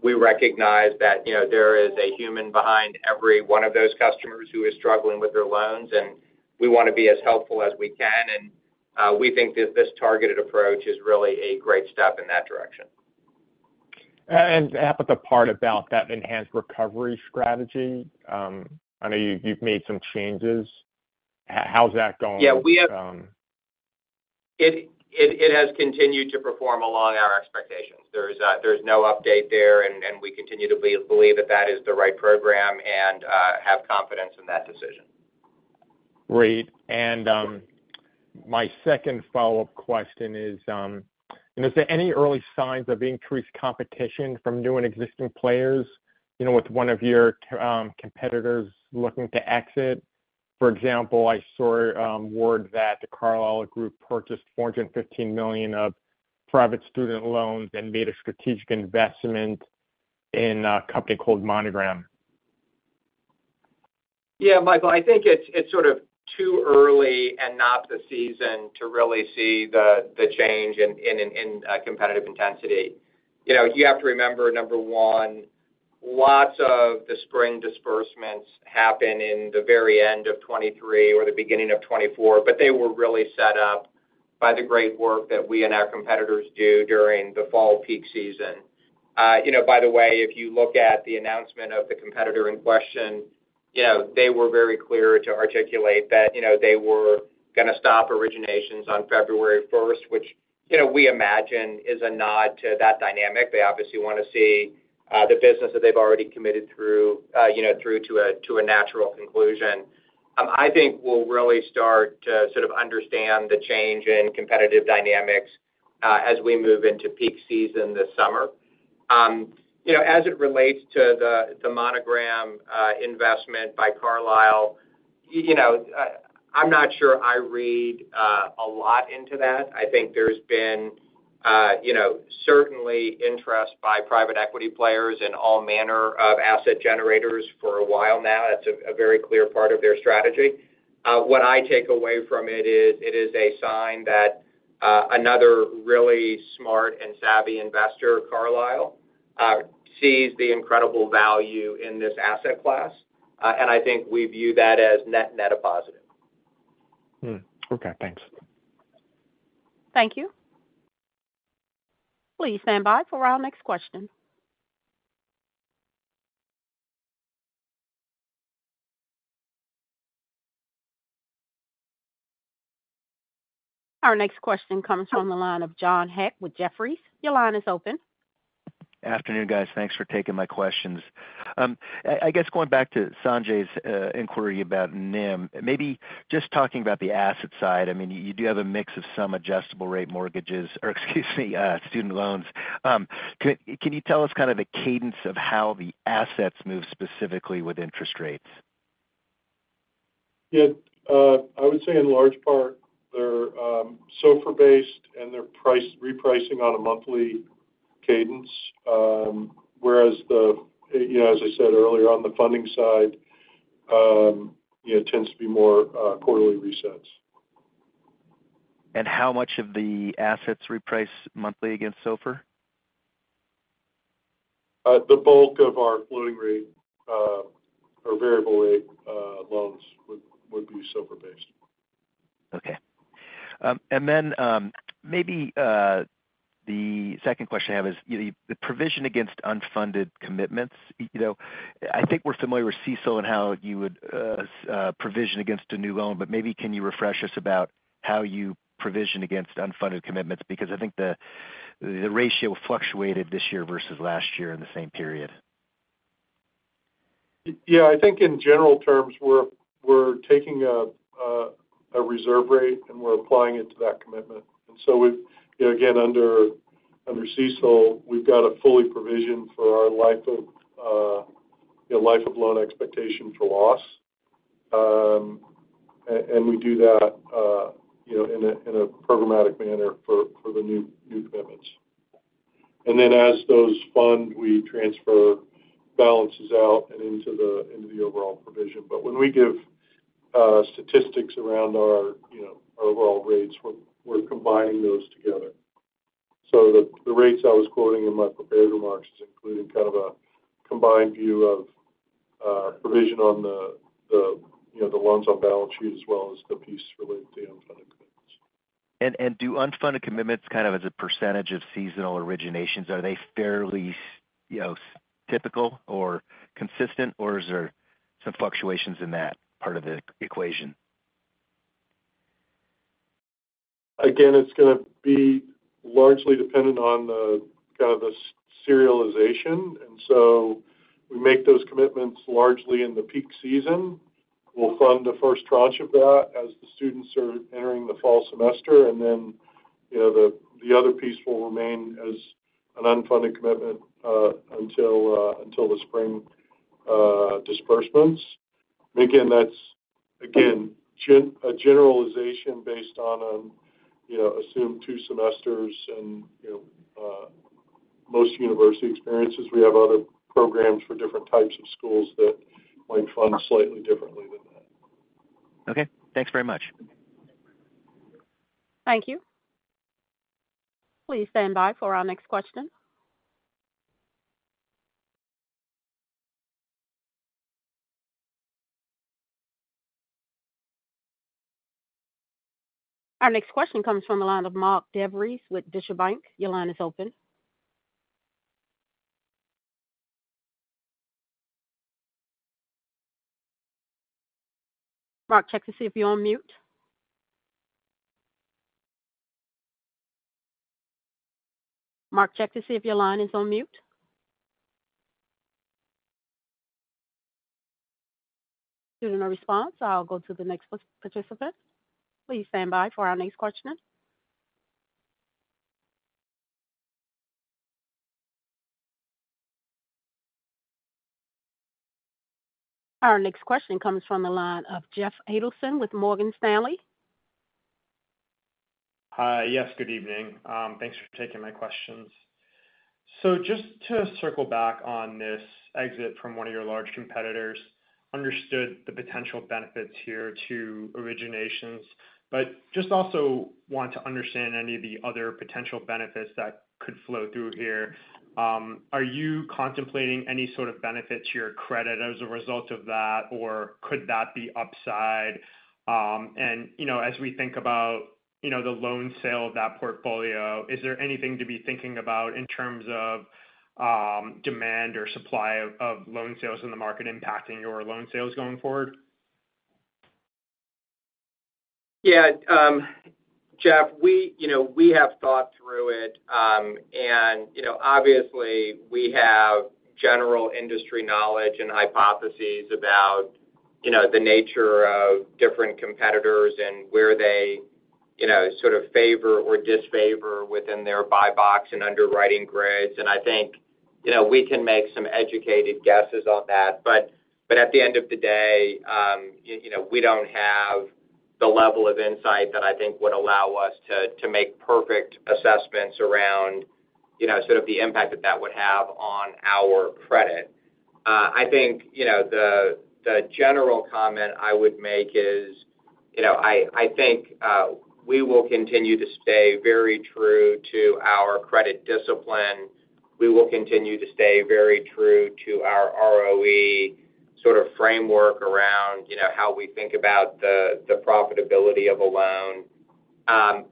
We recognize that, you know, there is a human behind every one of those customers who is struggling with their loans, and we want to be as helpful as we can. We think that this targeted approach is really a great step in that direction. And at the part about that enhanced recovery strategy, I know you've made some changes. How's that going? Yeah. It has continued to perform along our expectations. There's no update there, and we continue to believe that that is the right program and have confidence in that decision. Great. My second follow-up question is, is there any early signs of increased competition from new and existing players, you know, with one of your competitors looking to exit? For example, I saw word that the Carlyle Group purchased $415 million of private student loans and made a strategic investment in a company called Monogram. Yeah, Michael, I think it's sort of too early and not the season to really see the change in competitive intensity. You know, you have to remember, number one, lots of the spring disbursements happen in the very end of 2023 or the beginning of 2024, but they were really set up by the great work that we and our competitors do during the fall peak season. You know, by the way, if you look at the announcement of the competitor in question, you know, they were very clear to articulate that, you know, they were going to stop originations on February first, which, you know, we imagine is a nod to that dynamic. They obviously want to see the business that they've already committed through, you know, through to a natural conclusion. I think we'll really start to sort of understand the change in competitive dynamics as we move into peak season this summer. You know, as it relates to the Monogram investment by Carlyle, you know, I'm not sure I read a lot into that. I think there's been, you know, certainly interest by private equity players in all manner of asset generators for a while now. That's a very clear part of their strategy. What I take away from it is, it is a sign that another really smart and savvy investor, Carlyle, sees the incredible value in this asset class. And I think we view that as net, net a positive. Okay, thanks. Thank you. Please stand by for our next question. Our next question comes from the line of John Hecht with Jefferies. Your line is open. Afternoon, guys. Thanks for taking my questions. I guess going back to Sanjay's inquiry about NIM, maybe just talking about the asset side, I mean, you do have a mix of some adjustable rate mortgages or, excuse me, student loans. Can you tell us kind of the cadence of how the assets move specifically with interest rates? Yeah, I would say in large part, they're SOFR-based, and they're priced, repricing on a monthly cadence. Whereas, you know, as I said earlier, on the funding side, it tends to be more quarterly resets. How much of the assets reprice monthly against SOFR? The bulk of our floating rate or variable rate loans would be SOFR-based. Okay. And then, maybe, the second question I have is, the provision against unfunded commitments. You know, I think we're familiar with CECL and how you would provision against a new loan, but maybe, can you refresh us about how you provision against unfunded commitments? Because I think the ratio fluctuated this year versus last year in the same period. Yeah, I think in general terms, we're taking a reserve rate, and we're applying it to that commitment. And so we've -- Again, under CECL, we've got to fully provision for our life of loan expectation for loss. And we do that, you know, in a programmatic manner for the new commitments. And then as those fund, we transfer balances out and into the overall provision. But when we give statistics around our, you know, overall rates, we're combining those together. So the rates I was quoting in my prepared remarks is including kind of a combined view of provision on the, you know, the loans on balance sheet, as well as the piece related to unfunded commitments. Do unfunded commitments kind of as a percentage of seasonal originations, are they fairly, you know, typical or consistent, or is there some fluctuations in that part of the equation? Again, it's going to be largely dependent on the, kind of the seasonality, and so we make those commitments largely in the peak season. We'll fund the first tranche of that as the students are entering the fall semester, and then, you know, the other piece will remain as an unfunded commitment, until the spring disbursements. Again, that's a generalization based on, you know, assumed two semesters and, you know, most university experiences. We have other programs for different types of schools that might fund slightly differently than that. Okay, thanks very much. Thank you. Please stand by for our next question. Our next question comes from the line of Mark DeVries with Deutsche Bank. Your line is open. Mark, check to see if you're on mute. Mark, check to see if your line is on mute. Due to no response, I'll go to the next participant. Please stand by for our next questioner. Our next question comes from the line of Jeff Adelson with Morgan Stanley. Hi. Yes, good evening. Thanks for taking my questions. So just to circle back on this exit from one of your large competitors, understood the potential benefits here to originations, but just also want to understand any of the other potential benefits that could flow through here. Are you contemplating any sort of benefit to your credit as a result of that, or could that be upside? And, you know, as we think about, you know, the loan sale of that portfolio, is there anything to be thinking about in terms of, demand or supply of loan sales in the market impacting your loan sales going forward? Yeah, Jeff, we, you know, we have thought through it, and, you know, obviously, we have general industry knowledge and hypotheses about, you know, the nature of different competitors and where they, you know, sort of favor or disfavor within their buy box and underwriting grids. And I think, you know, we can make some educated guesses on that, but, but at the end of the day, you, you know, we don't have the level of insight that I think would allow us to, to make perfect assessments around, you know, sort of the impact that that would have on our credit. I think, you know, the, the general comment I would make is, you know, I, I think, we will continue to stay very true to our credit discipline. We will continue to stay very true to our ROE sort of framework around, you know, how we think about the profitability of a loan.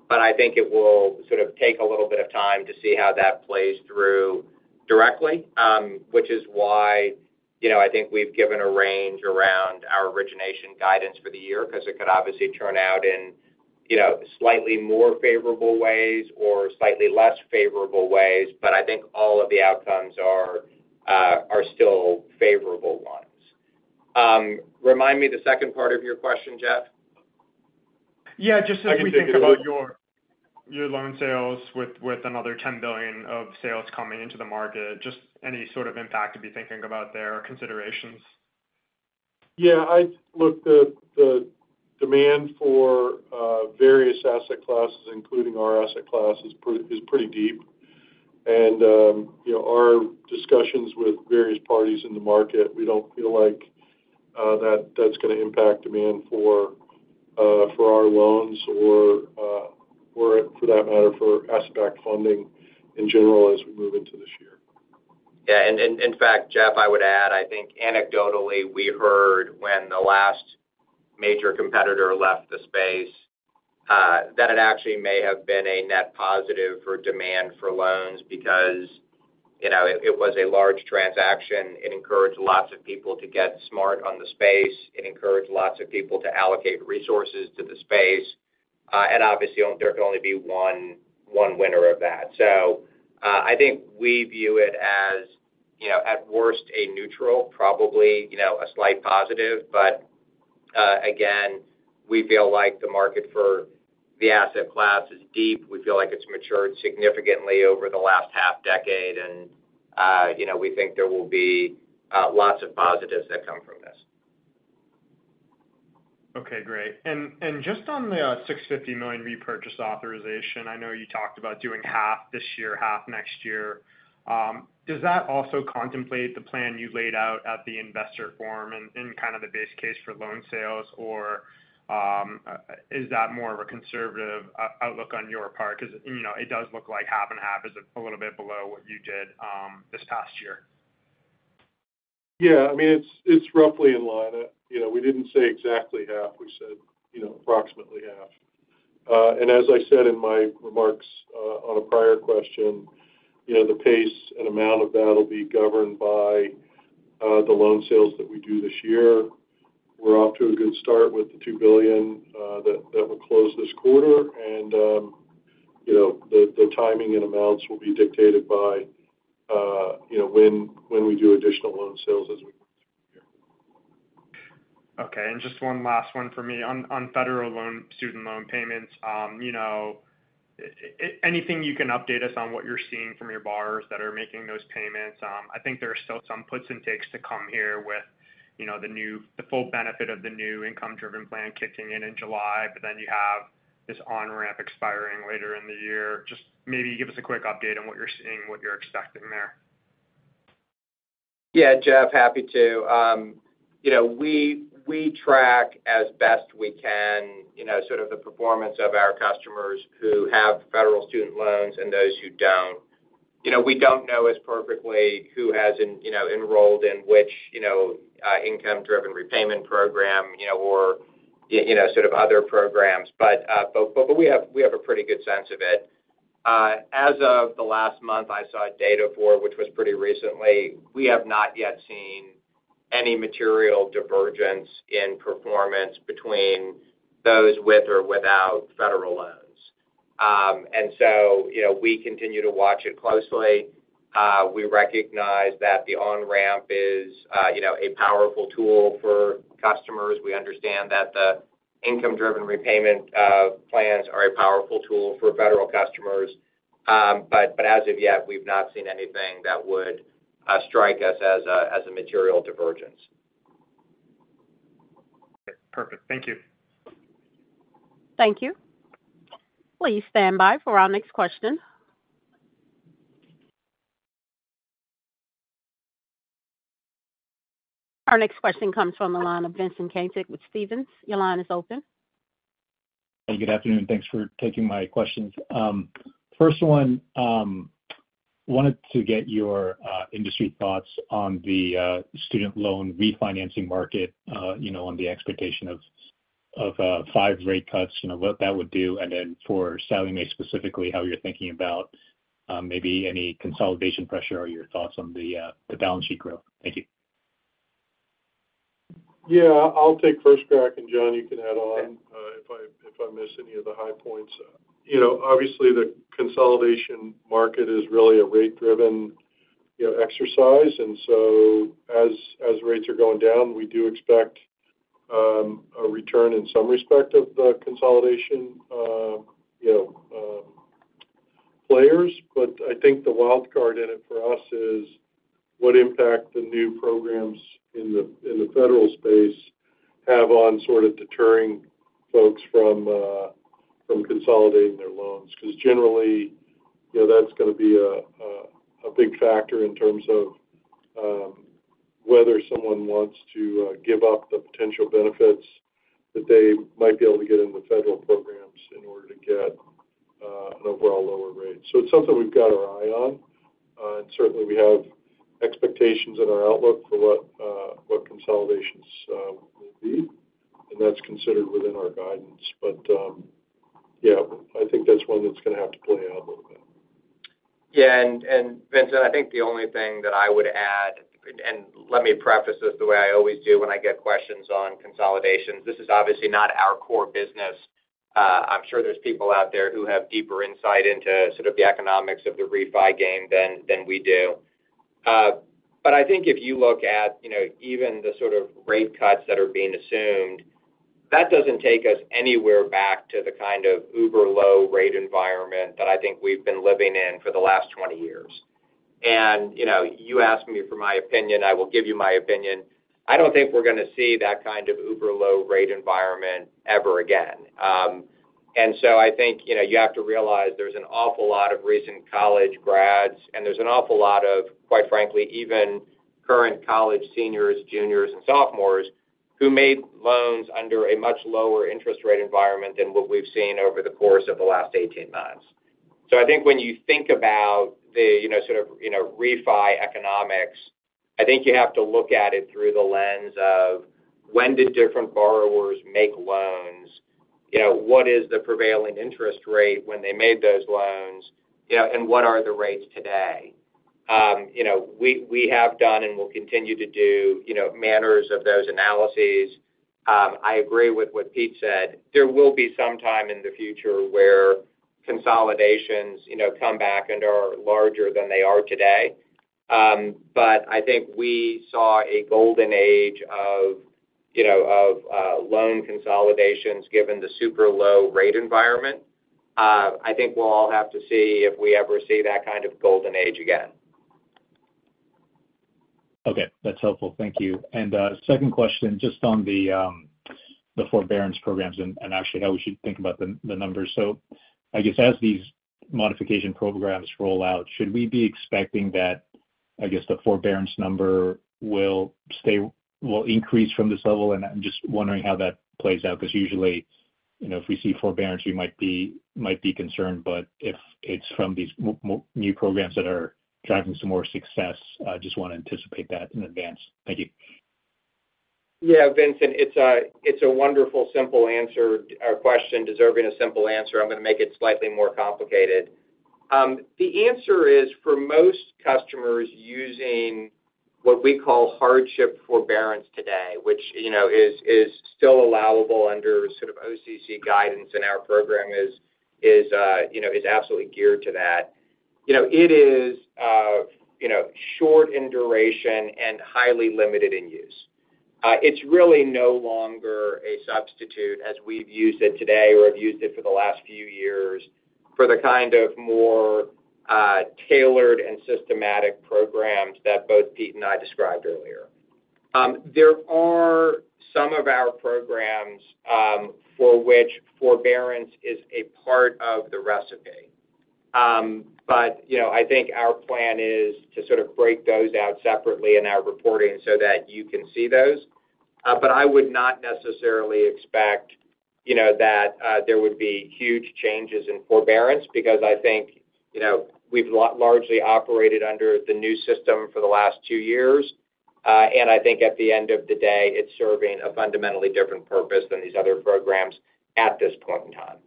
But I think it will sort of take a little bit of time to see how that plays through directly, which is why, you know, I think we've given a range around our origination guidance for the year, because it could obviously turn out in, you know, slightly more favorable ways or slightly less favorable ways. But I think all of the outcomes are still favorable ones. Remind me the second part of your question, Jeff. Yeah, just as we think about- I can take it. Your loan sales with, with another $10 billion of sales coming into the market, just any sort of impact to be thinking about there or considerations? Yeah, look, the demand for various asset classes, including our asset class, is pretty deep. You know, our discussions with various parties in the market, we don't feel like that's going to impact demand for our loans or, for that matter, for asset-backed funding in general as we move into this year. Yeah, and in fact, Jeff, I would add, I think anecdotally, we heard when the last major competitor left the space, that it actually may have been a net positive for demand for loans because, you know, it was a large transaction. It encouraged lots of people to get smart on the space. It encouraged lots of people to allocate resources to the space, and obviously, there could only be one winner of that. So, I think we view it as, you know, at worst, a neutral, probably, you know, a slight positive. But, again, we feel like the market for the asset class is deep. We feel like it's matured significantly over the last half decade, and you know, we think there will be lots of positives that come from this. Okay, great. And, and just on the $650 million repurchase authorization, I know you talked about doing half this year, half next year. Does that also contemplate the plan you laid out at the investor forum in, in kind of the base case for loan sales, or, is that more of a conservative outlook on your part? Because, you know, it does look like half and half is a little bit below what you did, this past year. Yeah, I mean, it's roughly in line. You know, we didn't say exactly half. We said, you know, approximately half. And as I said in my remarks on a prior question, you know, the pace and amount of that will be governed by the loan sales that we do this year. We're off to a good start with the $2 billion that will close this quarter. And you know, the timing and amounts will be dictated by you know, when we do additional loan sales as we go through the year. Okay, and just one last one for me. On federal student loan payments, you know, anything you can update us on what you're seeing from your borrowers that are making those payments? I think there are still some puts and takes to come here with, you know, the full benefit of the new income-driven plan kicking in in July, but then you have this on-ramp expiring later in the year. Just maybe give us a quick update on what you're seeing, what you're expecting there. Yeah, Jeff, happy to. You know, we track as best we can, you know, sort of the performance of our customers who have federal student loans and those who don't. You know, we don't know as perfectly who has, you know, enrolled in which, you know, income-driven repayment program, you know, or, you know, sort of other programs. But we have a pretty good sense of it. As of the last month I saw data for, which was pretty recently, we have not yet seen any material divergence in performance between those with or without federal loans. And so, you know, we continue to watch it closely. We recognize that the on-ramp is, you know, a powerful tool for customers. We understand that the income-driven repayment plans are a powerful tool for federal customers. But as of yet, we've not seen anything that would strike us as a material divergence. Perfect. Thank you. Thank you. Please stand by for our next question. Our next question comes from the line of Vincent Caintic with Stephens. Your line is open. Good afternoon. Thanks for taking my questions. First one, wanted to get your industry thoughts on the student loan refinancing market, you know, on the expectation of five rate cuts, you know, what that would do. And then for Sallie Mae, specifically, how you're thinking about maybe any consolidation pressure or your thoughts on the balance sheet growth. Thank you. Yeah, I'll take first crack, and Jon, you can add on. Okay. If I miss any of the high points. You know, obviously, the consolidation market is really a rate-driven, you know, exercise, and so as rates are going down, we do expect a return in some respect of the consolidation, you know, players. But I think the wild card in it for us is what impact the new programs in the federal space have on sort of deterring folks from consolidating their loans. Because generally, you know, that's gonna be a big factor in terms of whether someone wants to give up the potential benefits that they might be able to get in the federal programs in order to get an overall lower rate. So it's something we've got our eye on. Certainly, we have expectations in our outlook for what consolidations will be, and that's considered within our guidance. But, yeah, I think that's one that's gonna have to play out a little bit. Yeah, and Vincent, I think the only thing that I would add, and let me preface this the way I always do when I get questions on consolidations, this is obviously not our core business. I'm sure there's people out there who have deeper insight into sort of the economics of the refi game than we do. But I think if you look at, you know, even the sort of rate cuts that are being assumed, that doesn't take us anywhere back to the kind of uber-low rate environment that I think we've been living in for the last 20 years. And, you know, you asked me for my opinion, I will give you my opinion. I don't think we're gonna see that kind of uber-low rate environment ever again. And so I think, you know, you have to realize there's an awful lot of recent college grads, and there's an awful lot of, quite frankly, even current college seniors, juniors, and sophomores who made loans under a much lower interest rate environment than what we've seen over the course of the last 18 months. So I think when you think about the, you know, sort of, you know, refi economics, I think you have to look at it through the lens of: When did different borrowers make loans? You know, what is the prevailing interest rate when they made those loans? You know, and what are the rates today? You know, we have done and will continue to do, you know, manners of those analyses. I agree with what Pete said. There will be some time in the future where consolidations, you know, come back and are larger than they are today. But I think we saw a golden age of, you know, loan consolidations, given the super low rate environment. I think we'll all have to see if we ever see that kind of golden age again. Okay, that's helpful. Thank you. And, second question, just on the forbearance programs and actually how we should think about the, the numbers. So I guess as these modification programs roll out, should we be expecting that, I guess, the forbearance number will increase from this level? And I'm just wondering how that plays out, because usually, you know, if we see forbearance, we might be concerned, but if it's from these new programs that are driving some more success, just want to anticipate that in advance. Thank you. Yeah, Vincent, it's a, it's a wonderful, simple answer, question deserving a simple answer. I'm going to make it slightly more complicated. The answer is, for most customers using what we call hardship forbearance today, which, you know, is, is still allowable under sort of OCC guidance, and our program is, is, you know, is absolutely geared to that. You know, it is, you know, short in duration and highly limited in use. It's really no longer a substitute as we've used it today or have used it for the last few years, for the kind of more tailored and systematic programs that both Pete and I described earlier. There are some of our programs, for which forbearance is a part of the recipe. You know, I think our plan is to sort of break those out separately in our reporting so that you can see those. But I would not necessarily expect, you know, that there would be huge changes in forbearance because I think, you know, we've largely operated under the new system for the last two years. And I think at the end of the day, it's serving a fundamentally different purpose than these other programs at this point in time.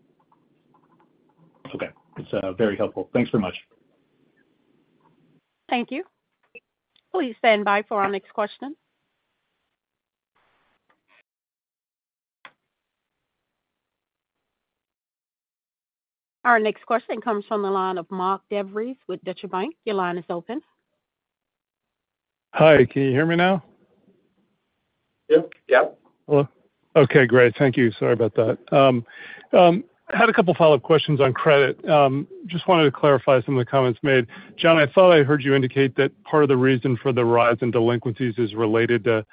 Okay. It's very helpful. Thanks so much. Thank you. Please stand by for our next question. Our next question comes from the line of Mark DeVries with Deutsche Bank. Your line is open. Hi, can you hear me now? Yep. Yep. Hello? Okay, great. Thank you. Sorry about that. I had a couple follow-up questions on credit. Just wanted to clarify some of the comments made. Jon, I thought I heard you indicate that part of the reason for the rise in delinquencies is related to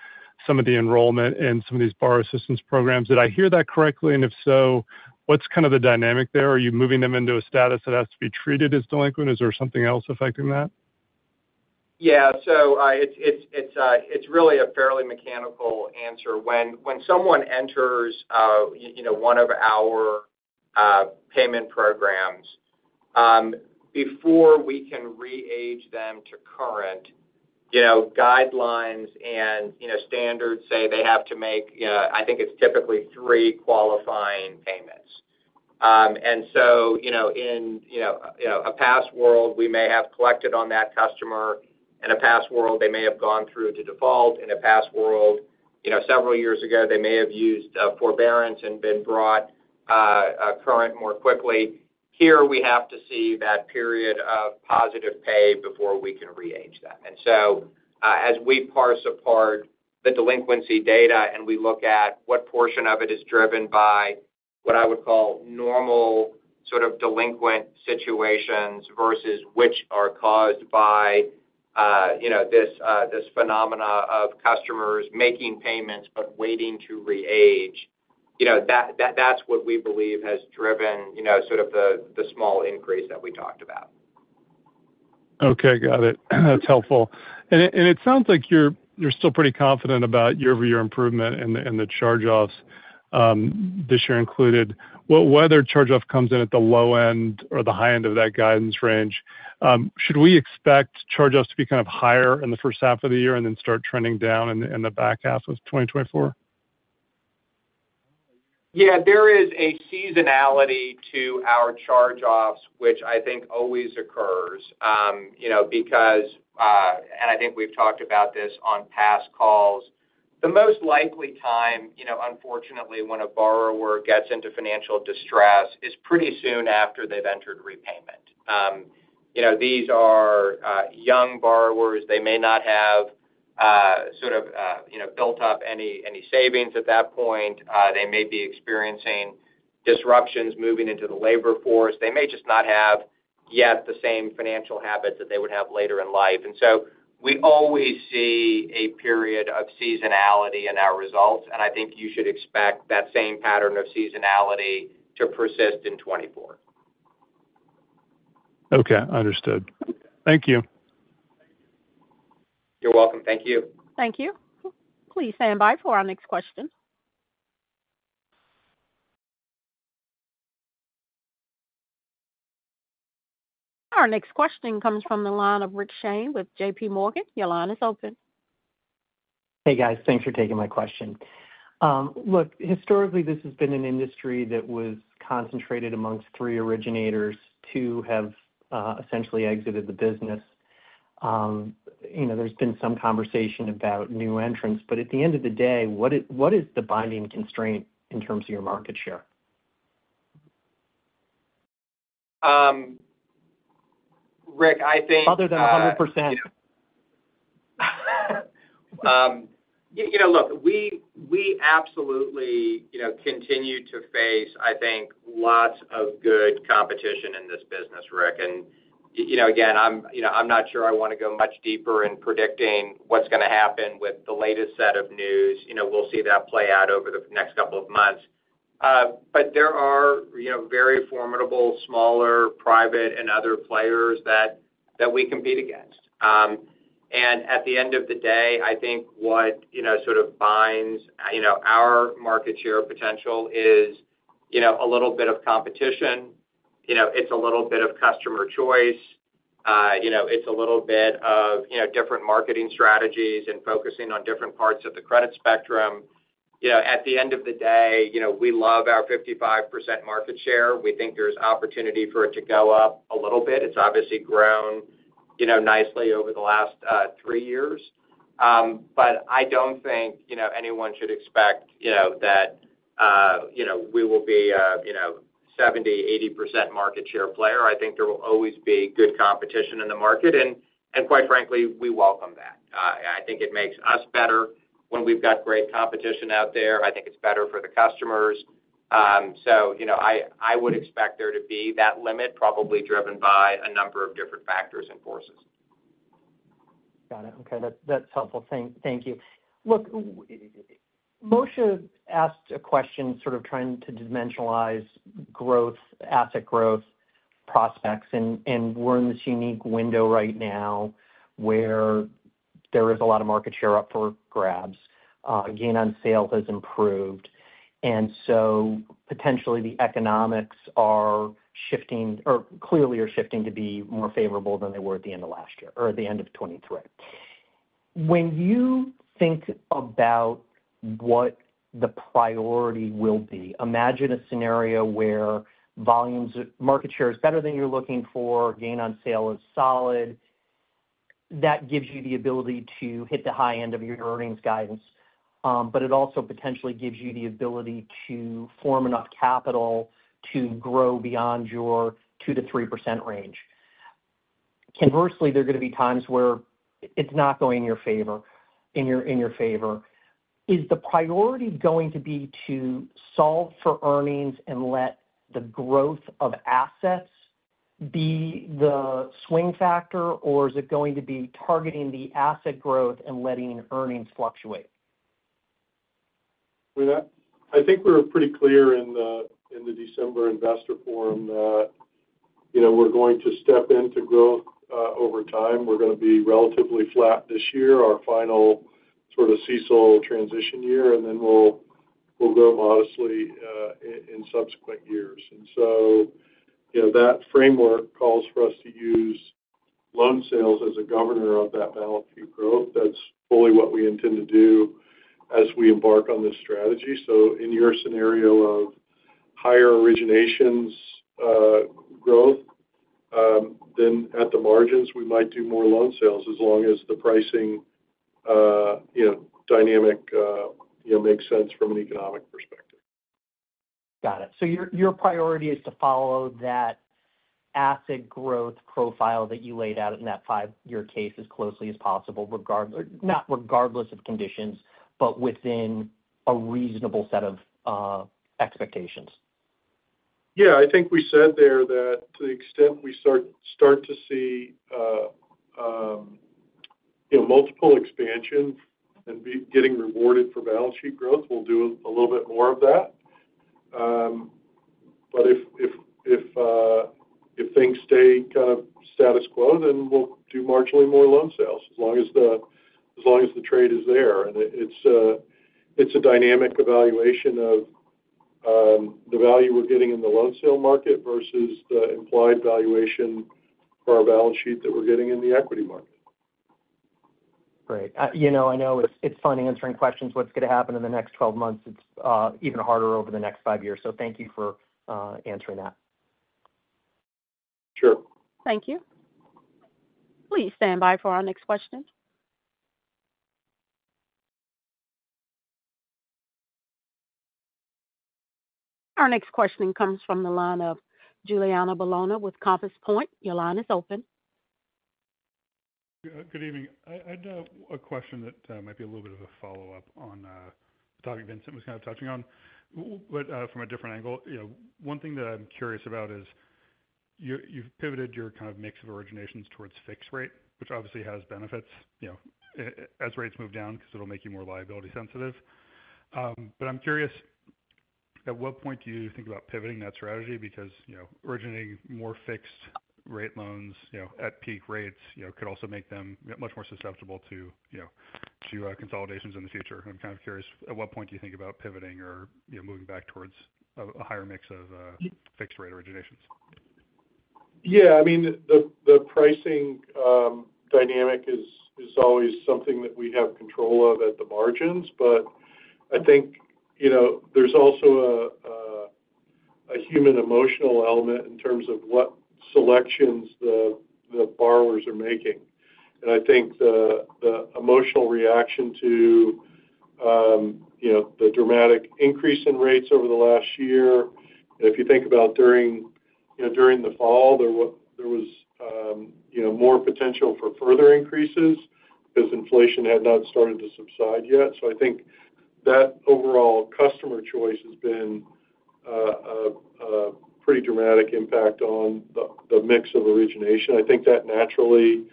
some of the enrollment in some of these borrower assistance programs. Did I hear that correctly? And if so, what's kind of the dynamic there? Are you moving them into a status that has to be treated as delinquent? Is there something else affecting that? Yeah. So, it's really a fairly mechanical answer. When someone enters, you know, one of our payment programs, before we can re-age them to current, you know, guidelines and, you know, standards say they have to make, I think it's typically three qualifying payments. And so, you know, in a past world, we may have collected on that customer. In a past world, they may have gone through to default. In a past world, you know, several years ago, they may have used forbearance and been brought current more quickly. Here, we have to see that period of positive pay before we can re-age that. And so, as we parse apart the delinquency data, and we look at what portion of it is driven by what I would call normal sort of delinquent situations versus which are caused by, you know, this, this phenomena of customers making payments but waiting to re-age. You know, that, that's what we believe has driven, you know, sort of the, the small increase that we talked about. Okay, got it. That's helpful. And it, and it sounds like you're, you're still pretty confident about year-over-year improvement in the, in the charge-offs, this year included. Well, whether charge-off comes in at the low end or the high end of that guidance range, should we expect charge-offs to be kind of higher in the first half of the year and then start trending down in the, in the back half of 2024? Yeah, there is a seasonality to our charge-offs, which I think always occurs. You know, because, and I think we've talked about this on past calls. The most likely time, you know, unfortunately, when a borrower gets into financial distress is pretty soon after they've entered repayment. You know, these are young borrowers. They may not have, sort of, you know, built up any, any savings at that point. They may be experiencing disruptions moving into the labor force. They may just not have yet the same financial habits that they would have later in life. And so we always see a period of seasonality in our results, and I think you should expect that same pattern of seasonality to persist in 2024. Okay, understood. Thank you. You're welcome. Thank you. Thank you. Please stand by for our next question. Our next question comes from the line of Rick Shane with JPMorgan. Your line is open. Hey, guys. Thanks for taking my question. Look, historically, this has been an industry that was concentrated among three originators. Two have essentially exited the business. You know, there's been some conversation about new entrants, but at the end of the day, what is, what is the binding constraint in terms of your market share? Rick, I think- Other than 100%. You know, look, we absolutely, you know, continue to face, I think, lots of good competition in this business, Rick. You know, again, I'm not sure I want to go much deeper in predicting what's going to happen with the latest set of news. You know, we'll see that play out over the next couple of months. But there are, you know, very formidable, smaller, private, and other players that we compete against. And at the end of the day, I think what, you know, sort of binds, you know, our market share potential is, you know, a little bit of competition. You know, it's a little bit of customer choice. You know, it's a little bit of, you know, different marketing strategies and focusing on different parts of the credit spectrum. You know, at the end of the day, you know, we love our 55% market share. We think there's opportunity for it to go up a little bit. It's obviously grown, you know, nicely over the last three years. But I don't think, you know, anyone should expect, you know, that, you know, we will be, you know, 70%-80% market share player. I think there will always be good competition in the market, and quite frankly, we welcome that.... I think it makes us better when we've got great competition out there. I think it's better for the customers. So, you know, I would expect there to be that limit, probably driven by a number of different factors and forces. Got it. Okay, that's helpful. Thank you. Look, Moshe asked a question sort of trying to dimensionalize growth, asset growth prospects, and we're in this unique window right now where there is a lot of market share up for grabs. Gain on sale has improved. And so potentially the economics are shifting, or clearly are shifting to be more favorable than they were at the end of last year or at the end of 2023. When you think about what the priority will be, imagine a scenario where volumes - market share is better than you're looking for, gain on sale is solid. That gives you the ability to hit the high end of your earnings guidance, but it also potentially gives you the ability to form enough capital to grow beyond your 2%-3% range. Conversely, there are going to be times where it's not going in your favor. Is the priority going to be to solve for earnings and let the growth of assets be the swing factor, or is it going to be targeting the asset growth and letting earnings fluctuate? I mean, I think we were pretty clear in the December investor forum that, you know, we're going to step into growth over time. We're going to be relatively flat this year, our final sort of CECL transition year, and then we'll grow modestly in subsequent years. And so, you know, that framework calls for us to use loan sales as a governor of that balance sheet growth. That's fully what we intend to do as we embark on this strategy. So in your scenario of higher originations growth, then at the margins, we might do more loan sales as long as the pricing, you know, dynamic, you know, makes sense from an economic perspective. Got it. So your priority is to follow that asset growth profile that you laid out in that five-year case as closely as possible, regardless—not regardless of conditions, but within a reasonable set of expectations. Yeah, I think we said there that to the extent we start to see, you know, multiple expansions and be getting rewarded for balance sheet growth, we'll do a little bit more of that. But if things stay kind of status quo, then we'll do marginally more loan sales as long as the trade is there. And it's a dynamic evaluation of the value we're getting in the loan sale market versus the implied valuation for our balance sheet that we're getting in the equity market. Great. You know, I know it's fun answering questions. What's going to happen in the next 12 months? It's even harder over the next five years. So thank you for answering that. Sure. Thank you. Please stand by for our next question. Our next question comes from the line of Giuliano Bologna with Compass Point. Your line is open. Good evening. I had a question that might be a little bit of a follow-up on the topic Vincent was kind of touching on, but from a different angle. You know, one thing that I'm curious about is, you've pivoted your kind of mix of originations towards fixed rate, which obviously has benefits, you know, as rates move down, because it'll make you more liability sensitive. But I'm curious, at what point do you think about pivoting that strategy? Because, you know, originating more fixed rate loans, you know, at peak rates, you know, could also make them much more susceptible to, you know, to consolidations in the future. I'm kind of curious, at what point do you think about pivoting or, you know, moving back towards a higher mix of fixed rate originations? Yeah, I mean, the pricing dynamic is always something that we have control of at the margins, but I think, you know, there's also a human emotional element in terms of what selections the borrowers are making. And I think the emotional reaction to, you know, the dramatic increase in rates over the last year. If you think about during, you know, during the fall, there was, you know, more potential for further increases because inflation had not started to subside yet. So I think that overall customer choice has been a pretty dramatic impact on the mix of origination. I think that naturally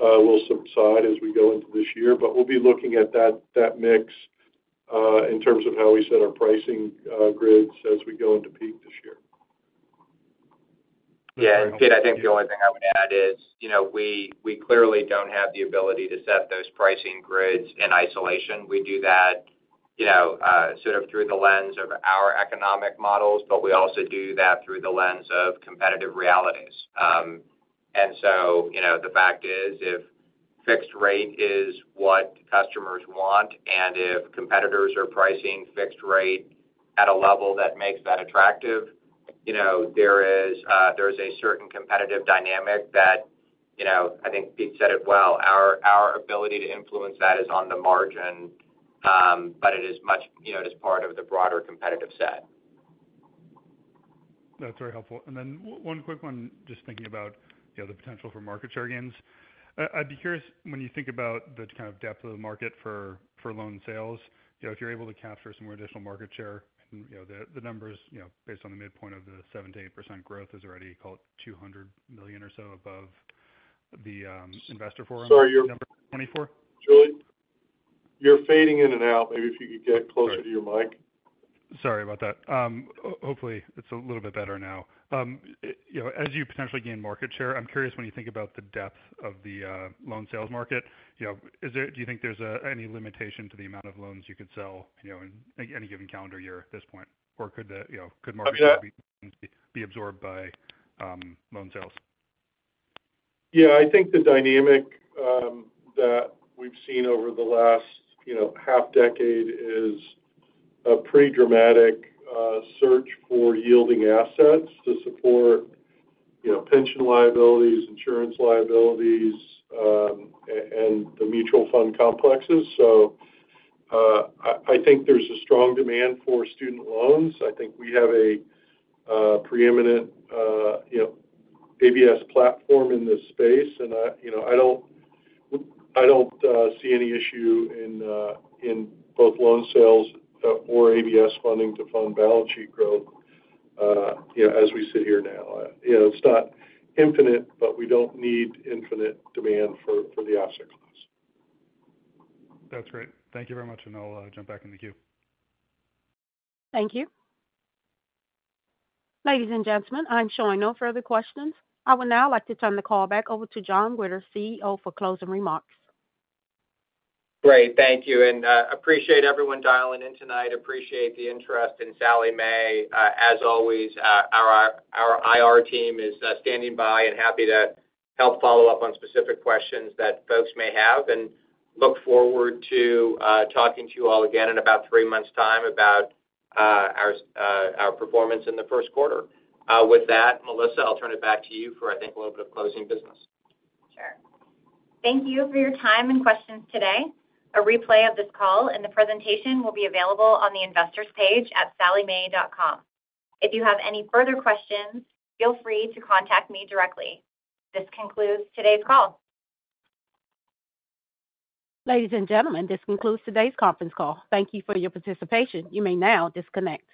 will subside as we go into this year, but we'll be looking at that mix in terms of how we set our pricing grids as we go into peak this year. Yeah, and Pete, I think the only thing I would add is, you know, we clearly don't have the ability to set those pricing grids in isolation. We do that, you know, sort of through the lens of our economic models, but we also do that through the lens of competitive realities. And so, you know, the fact is, if fixed rate is what customers want and if competitors are pricing fixed rate at a level that makes that attractive, you know, there is there is a certain competitive dynamic that, you know, I think Pete said it well. Our ability to influence that is on the margin, but it is much, you know, it is part of the broader competitive set. That's very helpful. And then one quick one, just thinking about the other potential for market share gains. I'd be curious, when you think about the kind of depth of the market for loan sales, you know, if you're able to capture some more additional market share, you know, the numbers, you know, based on the midpoint of the 7%-8% growth is already called $200 million or so above the investor forum- Sorry, you're- Number 24? Julie, you're fading in and out. Maybe if you could get closer to your mic. Sorry about that. Hopefully, it's a little bit better now. You know, as you potentially gain market share, I'm curious when you think about the depth of the loan sales market. You know, is there, do you think there's any limitation to the amount of loans you could sell, you know, in any given calendar year at this point? Or could the, you know, could market share be absorbed by loan sales? Yeah, I think the dynamic that we've seen over the last, you know, half decade is a pretty dramatic search for yielding assets to support, you know, pension liabilities, insurance liabilities, and the mutual fund complexes. So, I, I think there's a strong demand for student loans. I think we have a preeminent, you know, ABS platform in this space, and I, you know, I don't, I don't see any issue in, in both loan sales or ABS funding to fund balance sheet growth, you know, as we sit here now. You know, it's not infinite, but we don't need infinite demand for, for the asset class. That's great. Thank you very much, and I'll jump back in the queue. Thank you. Ladies and gentlemen, I'm showing no further questions. I would now like to turn the call back over to Jon Witter, CEO, for closing remarks. Great. Thank you, and appreciate everyone dialing in tonight. Appreciate the interest in Sallie Mae. As always, our IR team is standing by and happy to help follow up on specific questions that folks may have, and look forward to talking to you all again in about three months' time about our performance in the first quarter. With that, Melissa, I'll turn it back to you for, I think, a little bit of closing business. Sure. Thank you for your time and questions today. A replay of this call and the presentation will be available on the Investors page at salliemae.com. If you have any further questions, feel free to contact me directly. This concludes today's call. Ladies and gentlemen, this concludes today's conference call. Thank you for your participation. You may now disconnect.